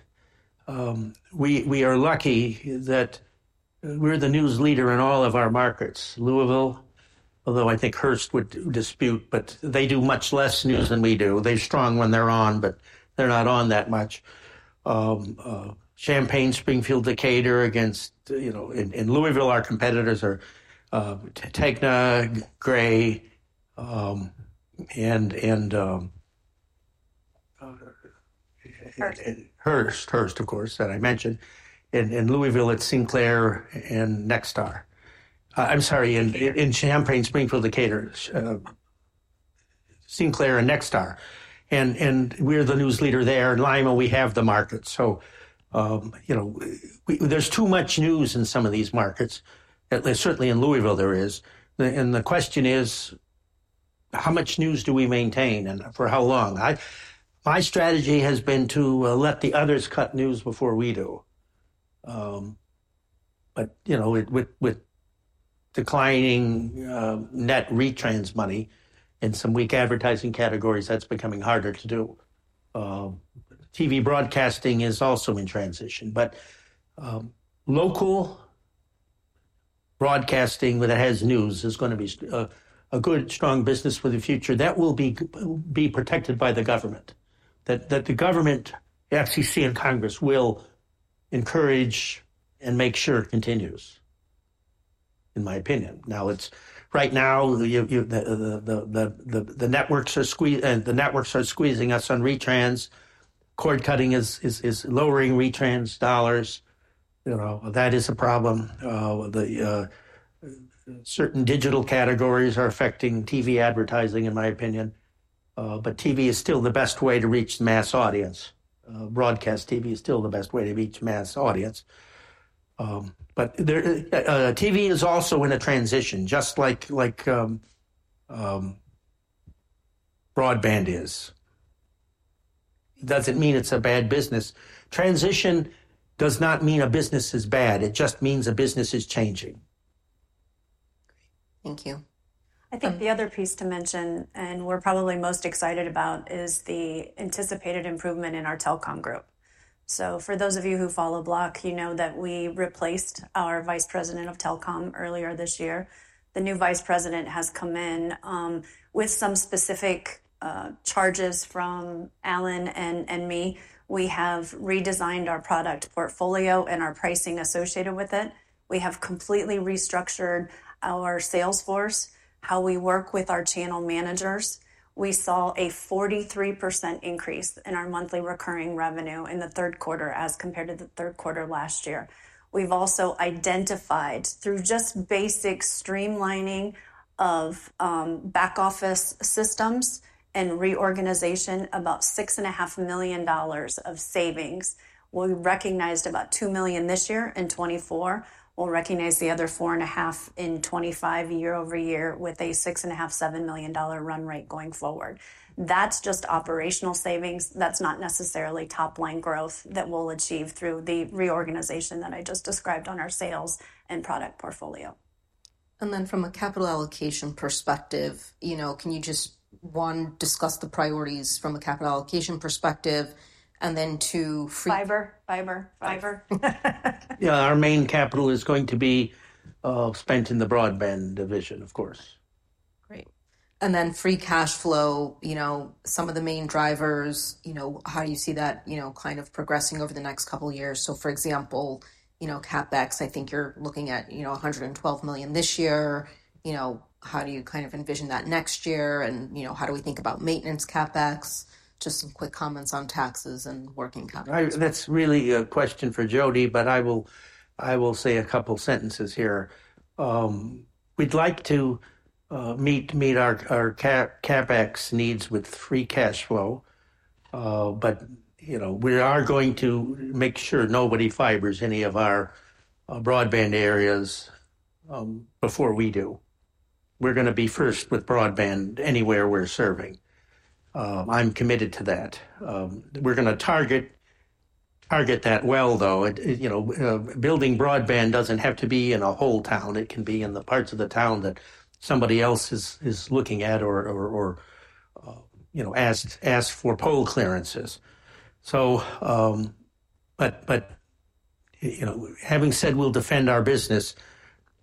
we are lucky that we're the news leader in all of our markets, Louisville, although I think Hearst would dispute, but they do much less news than we do they're strong when they're on, but they're not on that much. Champaign, Springfield, Decatur against, in Louisville, our competitors are TEGNA, Gray, and- Hearst. Hearst, of course, that I mentioned. In Louisville, it's Sinclair and Nexstar. I'm sorry, in Champaign, Springfield, Decatur, Sinclair and Nexstar, and we're the news leader there in Lima, we have the market, so there's too much news in some of these markets, certainly in Louisville there is, and the question is, how much news do we maintain and for how long? My strategy has been to let the others cut news before we do. But with declining net retrans money and some weak advertising categories, that's becoming harder to do. TV broadcasting is also in transition, but local broadcasting that has news is going to be a good, strong business for the future that will be protected by the government, that the government, FCC, and Congress will encourage and make sure continues. In my opinion. Now, right now, the networks are squeezing us on retrans. Cord cutting is lowering retrans dollars. That is a problem. Certain digital categories are affecting TV advertising, in my opinion. But TV is still the best way to reach the mass audience. Broadcast TV is still the best way to reach the mass audience. But TV is also in a transition, just like broadband is. It doesn't mean it's a bad business. Transition does not mean a business is bad it just means a business is changing. Thank you. I think the other piece to mention, and we're probably most excited about, is the anticipated improvement in our telecom group. So for those of you who follow Block, you know that we replaced our vice president of telecom earlier this year. The new vice president has come in with some specific charges from Alan and me. We have redesigned our product portfolio and our pricing associated with it. We have completely restructured our sales force, how we work with our channel managers. We saw a 43% increase in our monthly recurring revenue in the Q3 as compared to the Q3 last year. We've also identified, through just basic streamlining of back office systems and reorganization, about $6.5 million of savings. We recognized about $2 million this year in 2024. We'll recognize the other $4.5 million in 2025 year over year with a $6.5-$7 million run rate going forward. That's just operational savings that's not necessarily top-line growth that we'll achieve through the reorganization that I just described on our sales and product portfolio. And then from a capital allocation perspective, can you just, one, discuss the priorities from a capital allocation perspective, and then two. Fiber, fiber, fiber. Yeah, our main capital is going to be spent in the broadband division, of course. Great. And then free cash flow, some of the main drivers, how do you see that kind of progressing over the next couple of years? So for example, CapEx, I think you're looking at $112 million this year. How do you kind of envision that next year? And how do we think about maintenance CapEx? Just some quick comments on taxes and working capital. That's really a question for Jodi, but I will say a couple of sentences here. We'd like to meet our CapEx needs with free cash flow, but we are going to make sure nobody fibers any of our broadband areas before we do. We're going to be first with broadband anywhere we're serving. I'm committed to that. We're going to target that well, though. Building broadband doesn't have to be in a whole town it can be in the parts of the town that somebody else is looking at or asks for pole clearances. But having said we'll defend our business,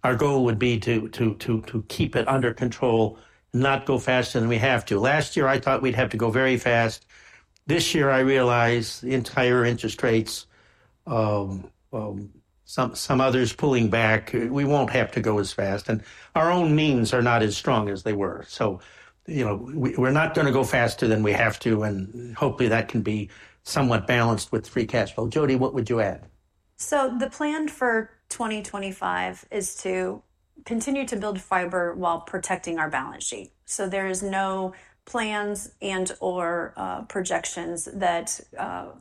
our goal would be to keep it under control, not go faster than we have to last year, I thought we'd have to go very fast. This year, I realize the entire interest rates, some others pulling back we won't have to go as fast. And our own means are not as strong as they were. So we're not going to go faster than we have to and hopefully, that can be somewhat balanced with free cash flow. Jodi, what would you add? So the plan for 2025 is to continue to build fiber while protecting our balance sheet. So there are no plans and/or projections that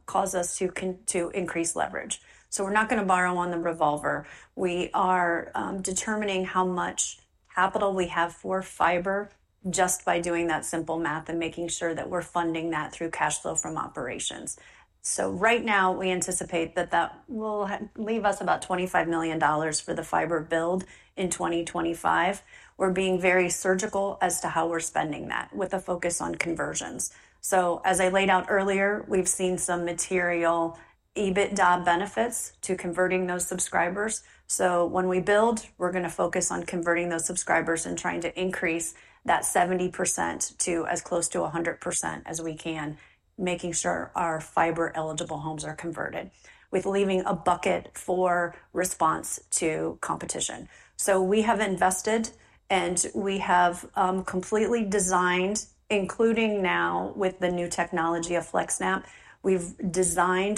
cause us to increase leverage. So we're not going to borrow on the revolver. We are determining how much capital we have for fiber just by doing that simple math and making sure that we're funding that through cash flow from operations. So right now, we anticipate that that will leave us about $25 million for the fiber build in 2025. We're being very surgical as to how we're spending that with a focus on conversions. So as I laid out earlier, we've seen some material EBITDA benefits to converting those subscribers. So when we build, we're going to focus on converting those subscribers and trying to increase that 70% to as close to 100% as we can, making sure our fiber-eligible homes are converted with leaving a bucket for response to competition. So we have invested, and we have completely designed, including now with the new technology of FlexNAP,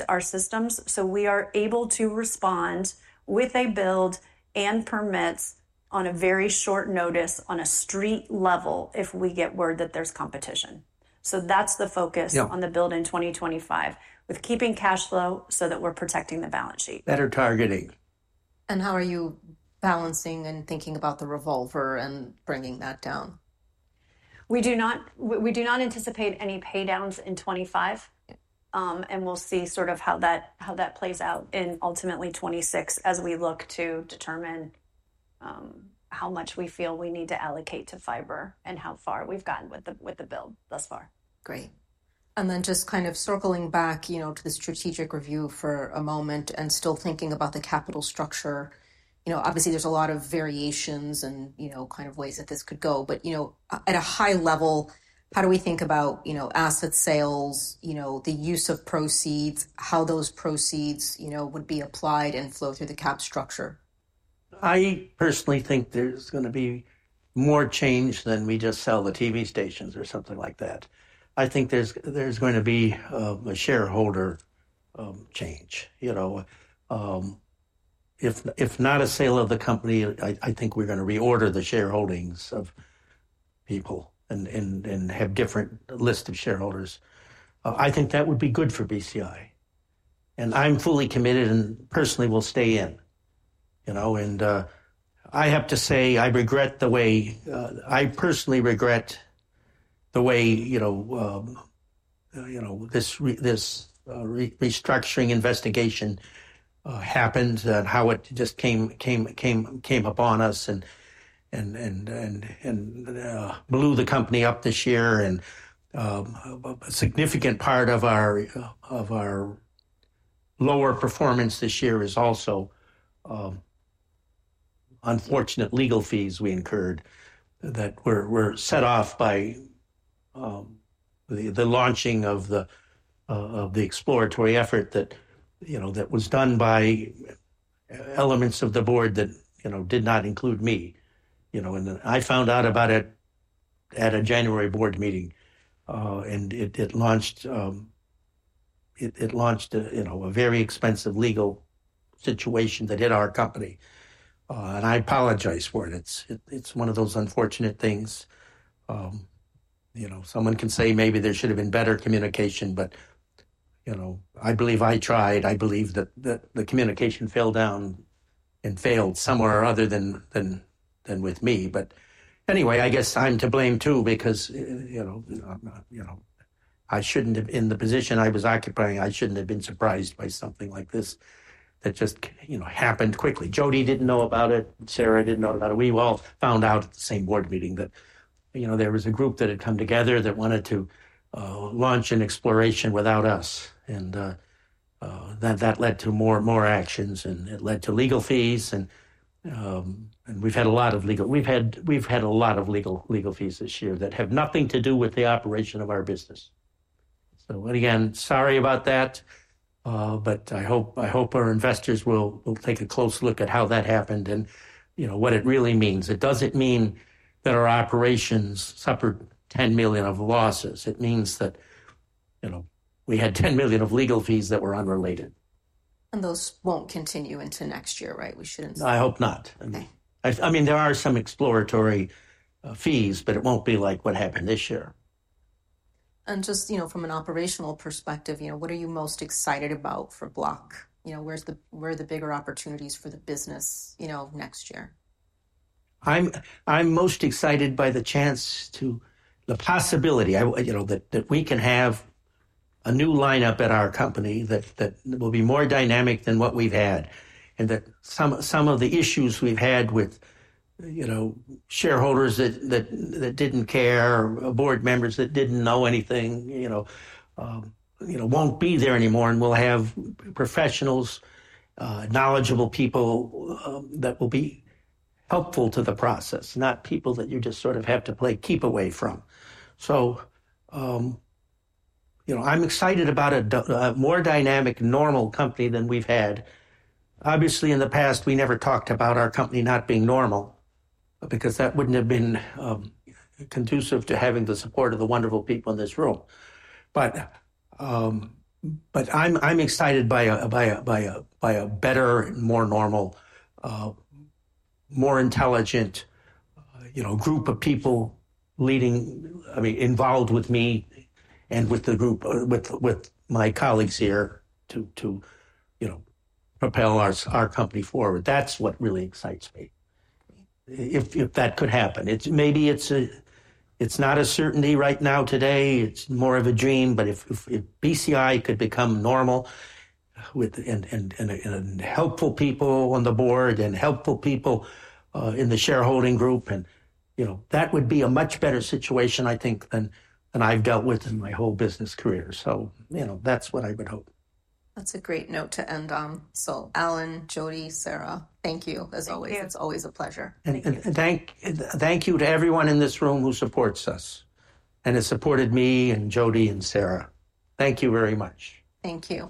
our systems so we are able to respond with a build and permits on a very short notice on a street level if we get word that there's competition. So that's the focus on the build in 2025 with keeping cash flow so that we're protecting the balance sheet. Better targeting. How are you balancing and thinking about the revolver and bringing that down? We do not anticipate any paydowns in 2025, and we'll see sort of how that plays out in ultimately 2026 as we look to determine how much we feel we need to allocate to fiber and how far we've gotten with the build thus far. Great. And then just kind of circling back to the strategic review for a moment and still thinking about the capital structure. Obviously, there's a lot of variations and kind of ways that this could go but at a high level, how do we think about asset sales, the use of proceeds, how those proceeds would be applied and flow through the cap structure? I personally think there's going to be more change than we just sell the TV stations or something like that. I think there's going to be a shareholder change. If not a sale of the company, I think we're going to reorder the shareholdings of people and have different lists of shareholders. I think that would be good for BCI. And I'm fully committed and personally will stay in. And I have to say, I regret the way this restructuring investigation happened and how it just came upon us and blew the company up this year. And a significant part of our lower performance this year is also unfortunate legal fees we incurred that were set off by the launching of the exploratory effort that was done by elements of the board that did not include me. And I found out about it at a January board meeting. And it launched a very expensive legal situation that hit our company. And I apologize for it. It's one of those unfortunate things. Someone can say maybe there should have been better communication, but I believe I tried i believe that the communication fell down and failed somewhere other than with me but. Anyway, I guess I'm to blame too because I shouldn't have been in the position I was occupying i shouldn't have been surprised by something like this that just happened quickly Jodi didn't know about it. Sarah didn't know about it we all found out at the same board meeting that there was a group that had come together that wanted to launch an exploration without us. And that led to more actions, and it led to legal fees. We've had a lot of legal fees this year that have nothing to do with the operation of our business. Again, sorry about that. I hope our investors will take a close look at how that happened and what it really means it doesn't mean that our operations suffered $10 million of losses it means that we had $10 million of legal fees that were unrelated. And those won't continue into next year, right? We shouldn't say. No, I hope not. I mean, there are some exploratory fees, but it won't be like what happened this year. Just from an operational perspective, what are you most excited about for Block? Where are the bigger opportunities for the business next year? I'm most excited by the chance to the possibility that we can have a new lineup at our company that will be more dynamic than what we've had and that some of the issues we've had with shareholders that didn't care, board members that didn't know anything won't be there anymore, and we'll have professionals, knowledgeable people that will be helpful to the process, not people that you just sort of have to play keep away from. So I'm excited about a more dynamic, normal company than we've had. Obviously, in the past, we never talked about our company not being normal because that wouldn't have been conducive to having the support of the wonderful people in this room, but I'm excited by a better, more normal, more intelligent group of people involved with me and with my colleagues here to propel our company forward that's what really excites me. If that could happen maybe it's not a certainty right now, today. It's more of a dream. But if BCI could become normal and helpful people on the board and helpful people in the shareholding group, that would be a much better situation, I think, than I've dealt with in my whole business career so that's what I would hope. That's a great note to end on. So Allan, Jodi, Sarah, thank you as always, it's always a pleasure. Thank you to everyone in this room who supports us and has supported me and Jodi and Sarah. Thank you very much. Thank you.